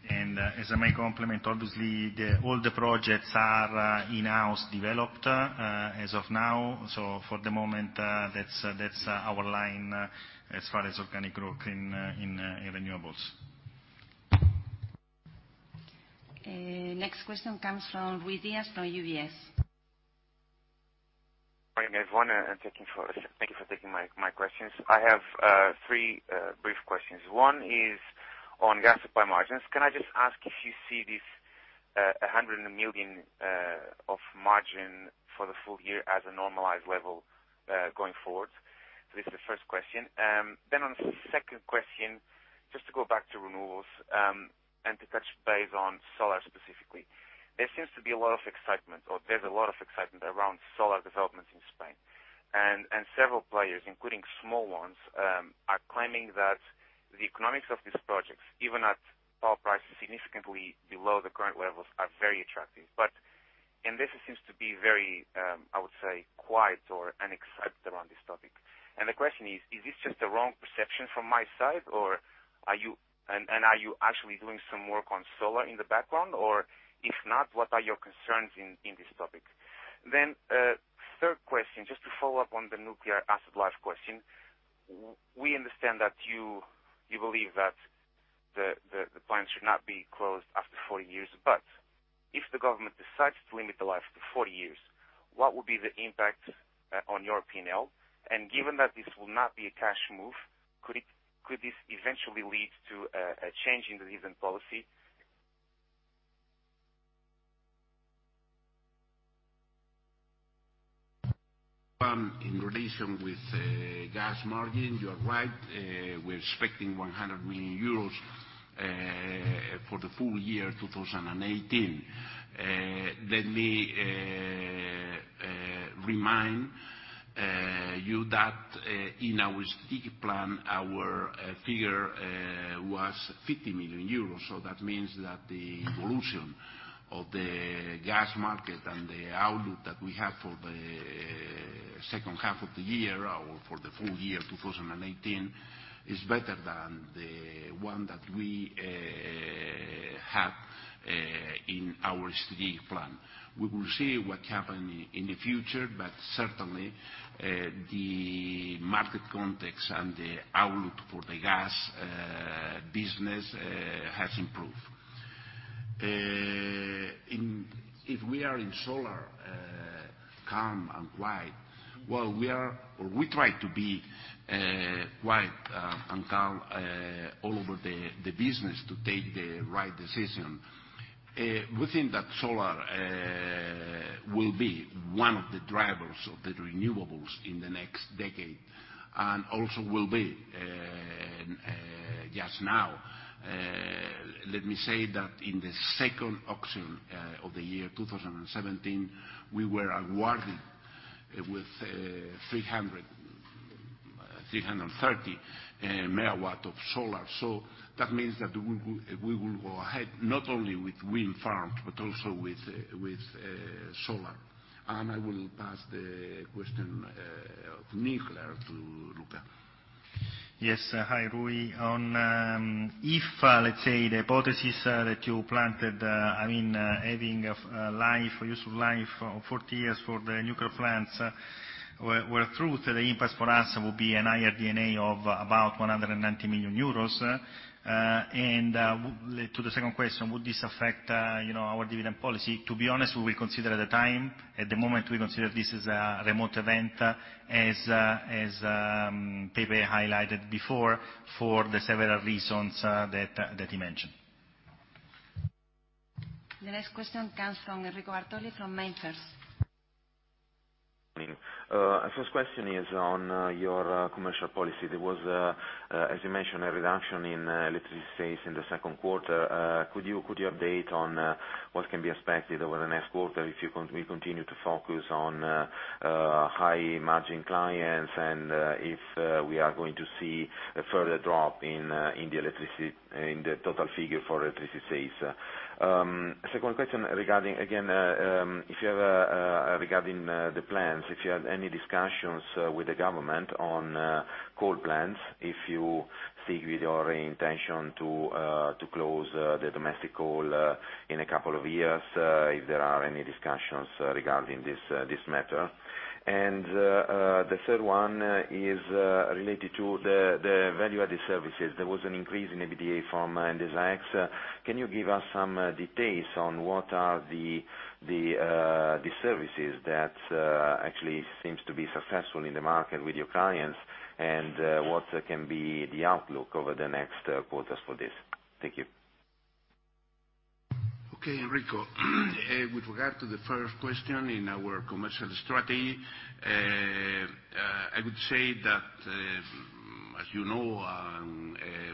As I may comment, obviously, all the projects are in-house developed as of now. For the moment, that's our line as far as organic growth in renewables. Next question comes from Rui Dias from UBS. Hi, everyone. Thank you for taking my questions. I have three brief questions. One is on gas supply margins. Can I just ask if you see this 100 million of margin for the full year as a normalized level going forward? So this is the first question. Then on the second question, just to go back to renewables and to touch base on solar specifically, there seems to be a lot of excitement, or there's a lot of excitement around solar developments in Spain. And several players, including small ones, are claiming that the economics of these projects, even at power prices significantly below the current levels, are very attractive. But Endesa seems to be very, I would say, quiet or unexcited around this topic. And the question is, is this just a wrong perception from my side, and are you actually doing some work on solar in the background? Or if not, what are your concerns in this topic? Then third question, just to follow up on the nuclear asset life question, we understand that you believe that the plants should not be closed after 40 years, but if the government decides to limit the life to 40 years, what would be the impact on your P&L? And given that this will not be a cash move, could this eventually lead to a change in the dividend policy? In relation with gas margin, you are right. We're expecting 100 million euros for the full year 2018. Let me remind you that in our strategic plan, our figure was 50 million euros. So that means that the evolution of the gas market and the outlook that we have for the second half of the year or for the full year 2018 is better than the one that we have in our strategic plan. We will see what happens in the future, but certainly the market context and the outlook for the gas business has improved. If we are in solar, calm and quiet, well, we are or we try to be quiet and calm all over the business to take the right decision. We think that solar will be one of the drivers of the renewables in the next decade and also will be just now. Let me say that in the second auction of the year 2017, we were awarded with 330 megawatts of solar, so that means that we will go ahead not only with wind farms, but also with solar, and I will pass the question of nuclear to Luca. Yes. Hi, Rui. If, let's say, the hypothesis that you planted, I mean, having a life or use of life of 40 years for the nuclear plants were true, the impact for us would be an EBITDA of about 190 million euros. And to the second question, would this affect our dividend policy? To be honest, we will consider at the time, at the moment, we consider this as a remote event, as Pepe highlighted before, for the several reasons that he mentioned. The next question comes from Enrico Bartoli from MainFirst. I mean, our first question is on your commercial policy. There was, as you mentioned, a reduction in electricity sales in the second quarter. Could you update on what can be expected over the next quarter if we continue to focus on high-margin clients and if we are going to see a further drop in the total figure for electricity sales? Second question regarding, again, if you have regarding the plans, if you had any discussions with the government on coal plans, if you see with your intention to close the domestic coal in a couple of years, if there are any discussions regarding this matter, and the third one is related to the value-added services. There was an increase in EBITDA from Endesa X. Can you give us some details on what are the services that actually seem to be successful in the market with your clients and what can be the outlook over the next quarters for this? Thank you. Okay, Enrico. With regard to the first question in our commercial strategy, I would say that, as you know,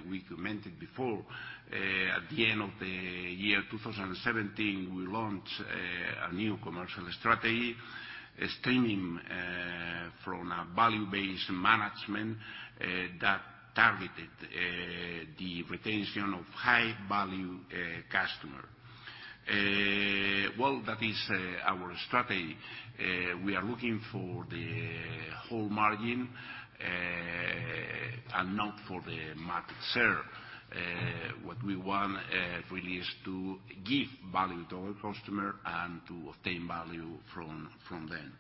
we commented before, at the end of the year 2017, we launched a new commercial strategy stemming from a value-based management that targeted the retention of high-value customers. Well, that is our strategy. We are looking for the whole margin and not for the market share. What we want really is to give value to our customer and to obtain value from them.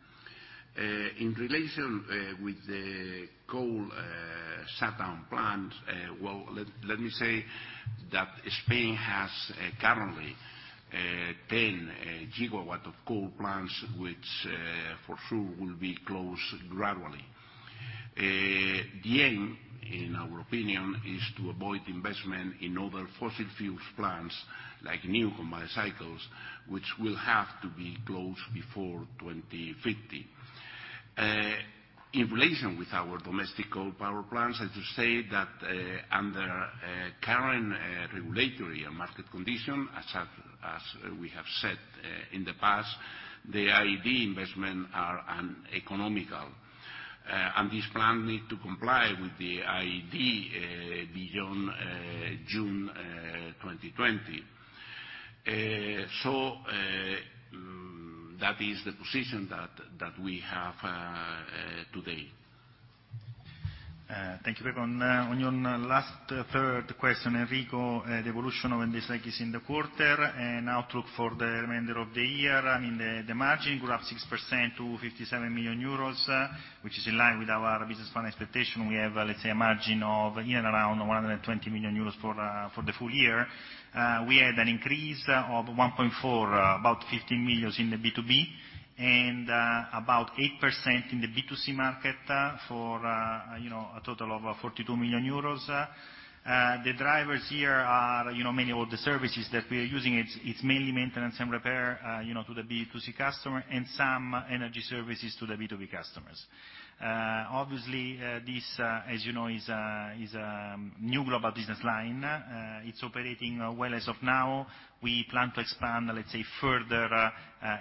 In relation with the coal shutdown plans, well, let me say that Spain has currently 10 gigawatts of coal plants, which for sure will be closed gradually. The aim, in our opinion, is to avoid investment in other fossil-fuel plants like new combined cycles, which will have to be closed before 2050. In relation with our domestic coal power plants, I should say that under current regulatory and market conditions, as we have said in the past, the IED investments are economical, and these plants need to comply with the IED beyond June 2020, so that is the position that we have today. Thank you, Pepe. On your last third question, Enrico, the evolution of Endesa X in the quarter and outlook for the remainder of the year, I mean, the margin grew up 6% to 57 million euros, which is in line with our business plan expectation. We have, let's say, a margin of in and around 120 million euros for the full year. We had an increase of 14%, about 15 million in the B2B and about 8% in the B2C market for a total of 42 million euros. The drivers here are many of the services that we are using. It's mainly maintenance and repair to the B2C customer and some energy services to the B2B customers. Obviously, this, as you know, is a new global business line. It's operating well as of now. We plan to expand, let's say, further,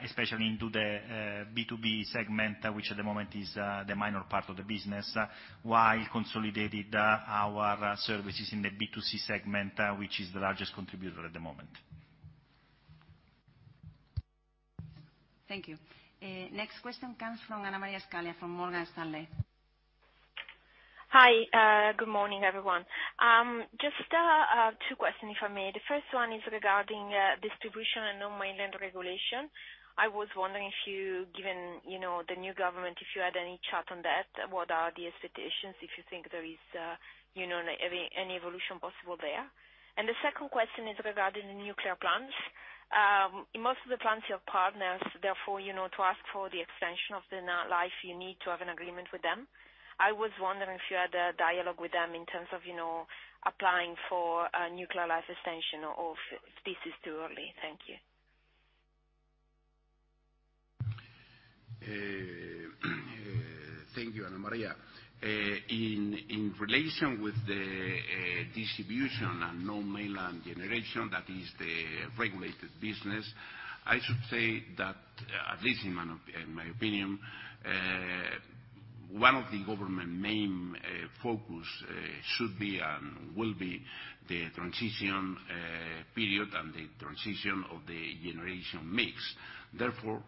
especially into the B2B segment, which at the moment is the minor part of the business, while consolidating our services in the B2C segment, which is the largest contributor at the moment. Thank you. Next question comes from Ana María Scaglia, from Morgan Stanley. Hi, good morning, everyone. Just two questions, if I may. The first one is regarding distribution and Non-mainland regulation. I was wondering if you, given the new government, if you had any chat on that, what are the expectations, if you think there is any evolution possible there? And the second question is regarding the nuclear plants. In most of the plants you have partners, therefore, to ask for the extension of the life you need to have an agreement with them. I was wondering if you had a dialogue with them in terms of applying for nuclear life extension or if this is too early. Thank you. Thank you, Ana Maria. In relation with the distribution and non-mainland generation, that is the regulated business, I should say that, at least in my opinion, one of the government's main focuses should be and will be the transition period and the transition of the generation mix. Therefore,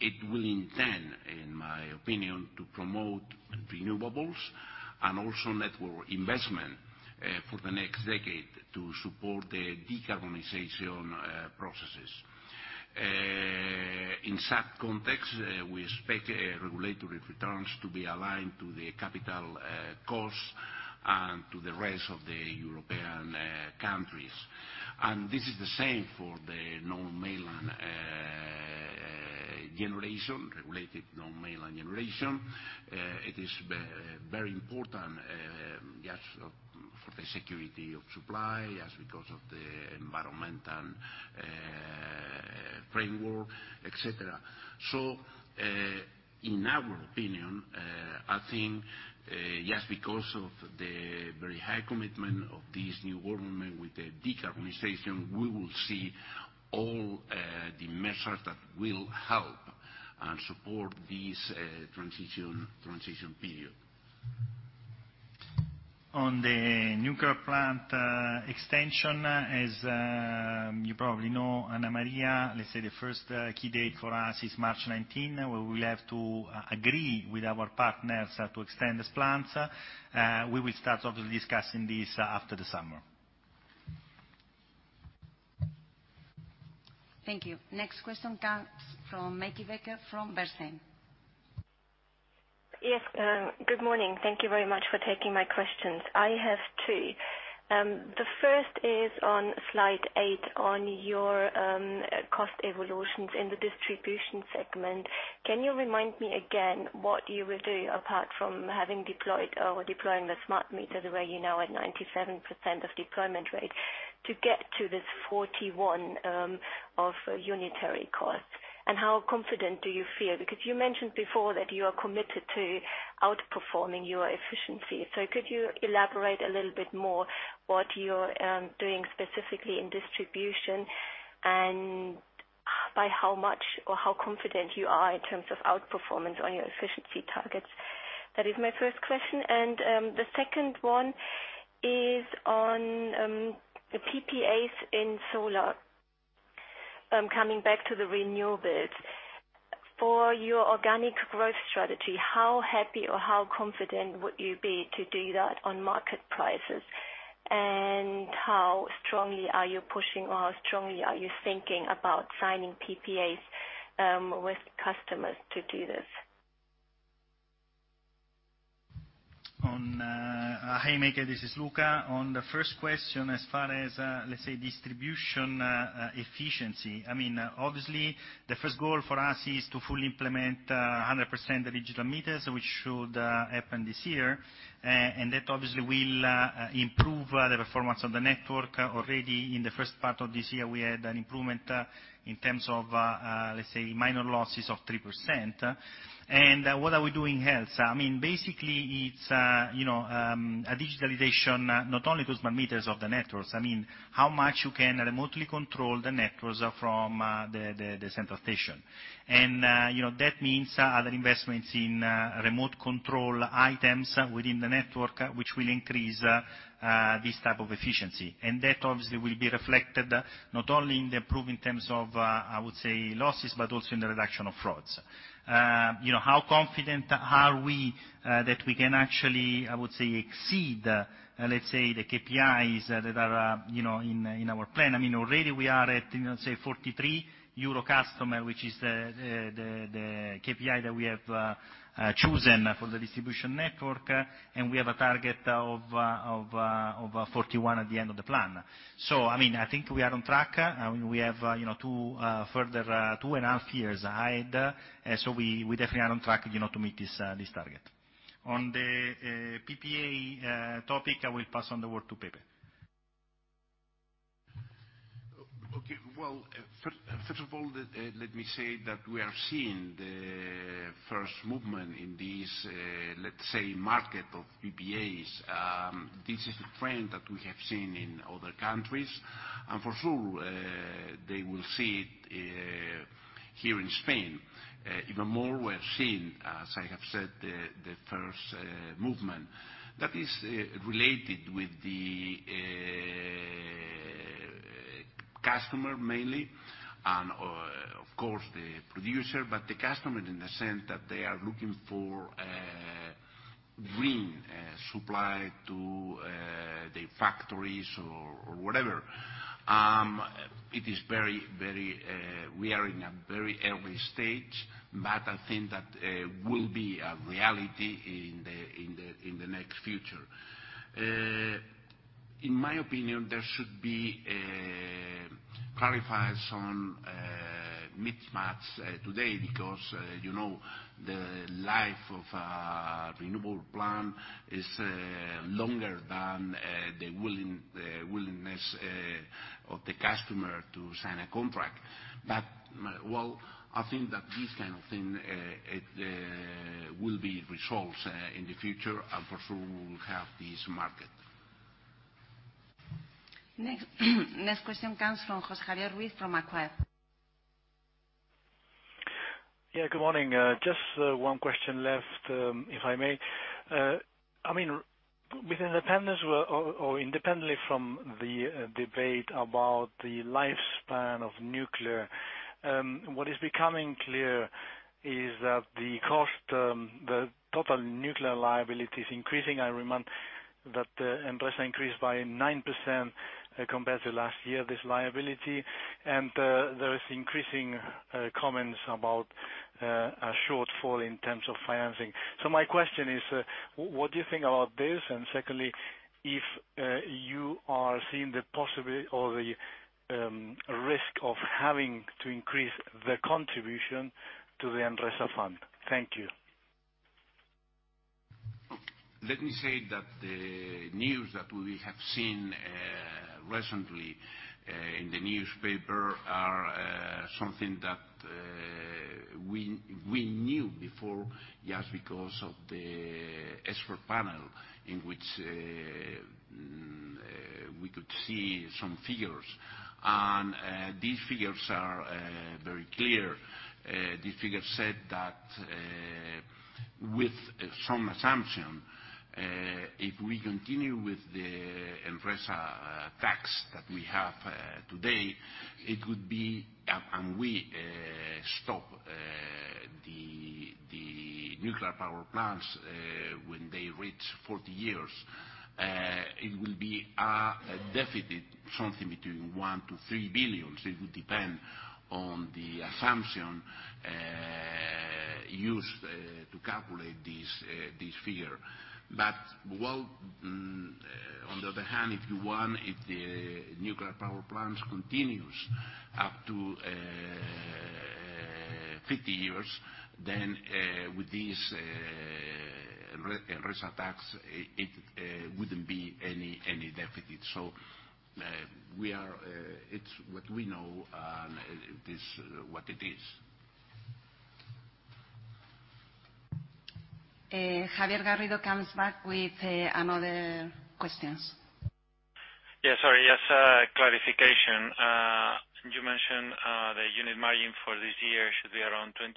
it will intend, in my opinion, to promote renewables and also network investment for the next decade to support the decarbonization processes. In such context, we expect regulatory returns to be aligned to the capital costs and to the rest of the European countries, and this is the same for the non-mainland generation, regulated non-mainland generation. It is very important just for the security of supply, just because of the environmental framework, etc. So in our opinion, I think just because of the very high commitment of this new government with the decarbonization, we will see all the measures that will help and support this transition period. On the nuclear plant extension, as you probably know, Ana Maria, let's say the first key date for us is March 19, where we will have to agree with our partners to extend the plants. We will start, obviously, discussing this after the summer. Thank you. Next question comes from Meike Becker from Bernstein. Yes. Good morning. Thank you very much for taking my questions. I have two. The first is on slide eight on your cost evolutions in the distribution segment. Can you remind me again what you will do apart from having deployed or deploying the smart meters that you're now at 97% of deployment rate to get to this 41% of unitary costs? And how confident do you feel? Because you mentioned before that you are committed to outperforming your efficiency. So could you elaborate a little bit more what you're doing specifically in distribution and by how much or how confident you are in terms of outperformance on your efficiency targets? That is my first question. And the second one is on the PPAs in solar. Coming back to the renewables, for your organic growth strategy, how happy or how confident would you be to do that on market prices? And how strongly are you pushing or how strongly are you thinking about signing PPAs with customers to do this? Hi Meike, this is Luca. On the first question, as far as, let's say, distribution efficiency, I mean, obviously, the first goal for us is to fully implement 100% digital meters, which should happen this year. And that, obviously, will improve the performance of the network. Already in the first part of this year, we had an improvement in terms of, let's say, minor losses of 3%. And what are we doing else? I mean, basically, it's a digitalization not only to smart meters of the networks. I mean, how much you can remotely control the networks from the central station. And that means other investments in remote control items within the network, which will increase this type of efficiency. And that, obviously, will be reflected not only in the improvement in terms of, I would say, losses, but also in the reduction of frauds. How confident are we that we can actually, I would say, exceed, let's say, the KPIs that are in our plan? I mean, already we are at, let's say, 43 euro customer, which is the KPI that we have chosen for the distribution network, and we have a target of 41 at the end of the plan. So, I mean, I think we are on track. I mean, we have two further two and a half years ahead, so we definitely are on track to meet this target. On the PPA topic, I will pass on the word to Pepe. Okay. First of all, let me say that we are seeing the first movement in this, let's say, market of PPAs. This is the trend that we have seen in other countries. For sure, they will see it here in Spain. Even more, we're seeing, as I have said, the first movement. That is related with the customer mainly and, of course, the producer, but the customer in the sense that they are looking for green supply to their factories or whatever. It is very early. We are in a very early stage, but I think that will be a reality in the next future. In my opinion, there should be clarified some mismatch today because the life of a renewable plant is longer than the willingness of the customer to sign a contract. But, well, I think that this kind of thing will be resolved in the future, and for sure, we will have this market. Next question comes from José Javier Ruiz from Macquarie. Yeah, good morning. Just one question left, if I may. I mean, with independence or independently from the debate about the lifespan of nuclear, what is becoming clear is that the cost, the total nuclear liability is increasing. I remember that Endesa increased by 9% compared to last year, this liability. And there is increasing comments about a shortfall in terms of financing. So my question is, what do you think about this? And secondly, if you are seeing the possibility or the risk of having to increase the contribution to the Endesa fund. Thank you. Let me say that the news that we have seen recently in the newspaper are something that we knew before just because of the expert panel in which we could see some figures. These figures are very clear. These figures said that with some assumption, if we continue with the Enresa tax that we have today, it would be and we stop the nuclear power plants when they reach 40 years, it will be a deficit, something between €1-€3 billion. It would depend on the assumption used to calculate this figure. Well, on the other hand, if you want the nuclear power plants continues up to 50 years, then with this Enresa tax, it wouldn't be any deficit. It's what we know, and it is what it is. Javier Garrido comes back with another question. Yeah, sorry. Just a clarification. You mentioned the unit margin for this year should be around 23.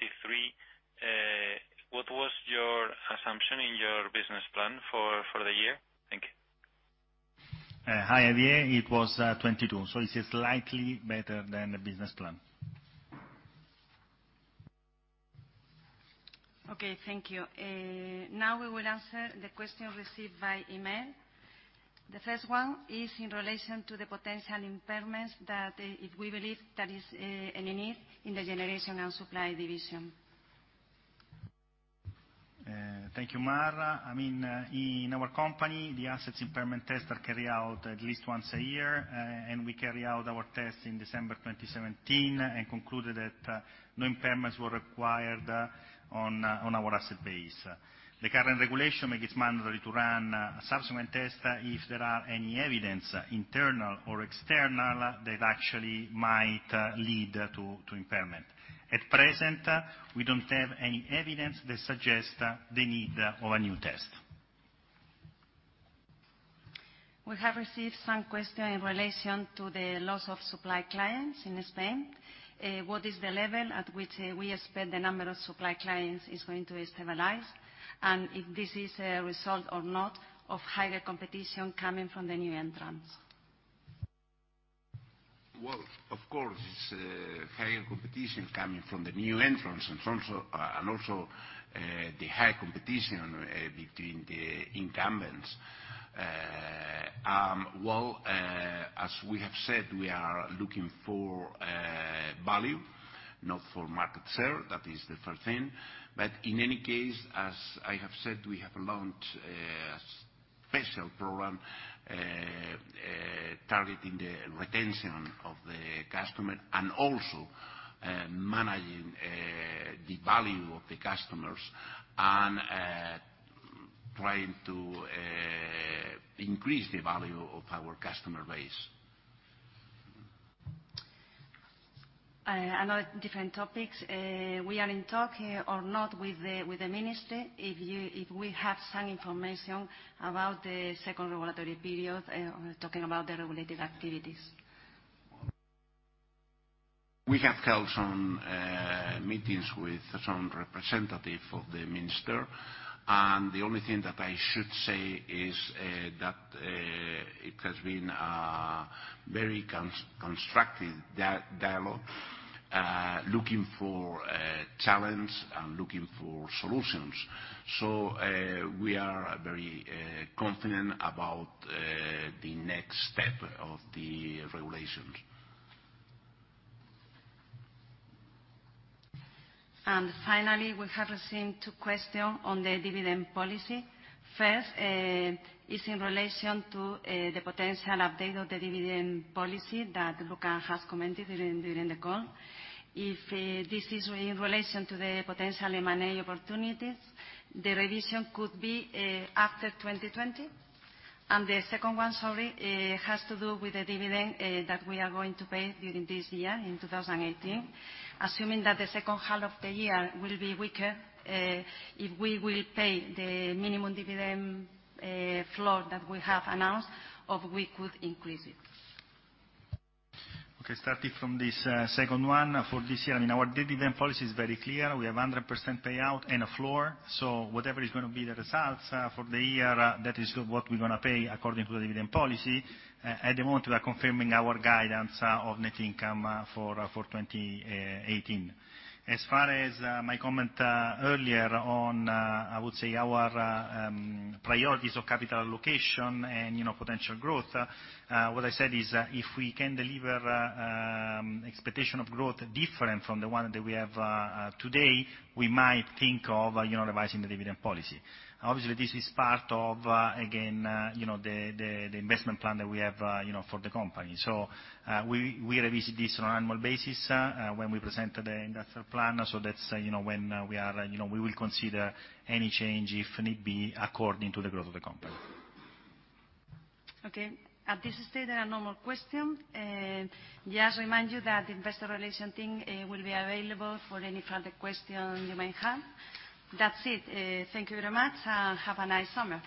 What was your assumption in your business plan for the year? Thank you. Hi, Javier. It was 22. So it's slightly better than the business plan. Okay. Thank you. Now we will answer the questions received by email. The first one is in relation to the potential impairments that we believe there is any need in the generation and supply division. Thank you, Mar. I mean, in our company, the assets impairment tests are carried out at least once a year, and we carry out our tests in December 2017 and concluded that no impairments were required on our asset base. The current regulation makes it mandatory to run a subsequent test if there is any evidence, internal or external, that actually might lead to impairment. At present, we don't have any evidence that suggests the need of a new test. We have received some questions in relation to the loss of supply clients in Spain. What is the level at which we expect the number of supply clients is going to stabilize? And if this is a result or not of higher competition coming from the new entrants? Of course, it's higher competition coming from the new entrants and also the high competition between the incumbents. As we have said, we are looking for value, not for market share. That is the first thing. But in any case, as I have said, we have launched a special program targeting the retention of the customer and also managing the value of the customers and trying to increase the value of our customer base. Another different topic. We are in talks or not with the ministry if we have some information about the second regulatory period, talking about the regulated activities? We have held some meetings with some representatives of the minister. And the only thing that I should say is that it has been a very constructive dialogue looking for challenges and looking for solutions. So we are very confident about the next step of the regulations. Finally, we have received two questions on the dividend policy. First is in relation to the potential update of the dividend policy that Luca has commented during the call. If this is in relation to the potential M&A opportunities, the revision could be after 2020. The second one, sorry, has to do with the dividend that we are going to pay during this year in 2018, assuming that the second half of the year will be weaker. Will we pay the minimum dividend floor that we have announced or could we increase it? Okay. Starting from this second one for this year, I mean, our dividend policy is very clear. We have 100% payout and a floor. So whatever is going to be the results for the year, that is what we're going to pay according to the dividend policy. At the moment, we are confirming our guidance of net income for 2018. As far as my comment earlier on, I would say, our priorities of capital allocation and potential growth, what I said is if we can deliver expectation of growth different from the one that we have today, we might think of revising the dividend policy. Obviously, this is part of, again, the investment plan that we have for the company. So we revisit this on an annual basis when we present the industrial plan. So that's when we will consider any change, if need be, according to the growth of the company. Okay. At this stage, there are no more questions. Just remind you that the investor relations team will be available for any further questions you may have. That's it. Thank you very much. Have a nice summer.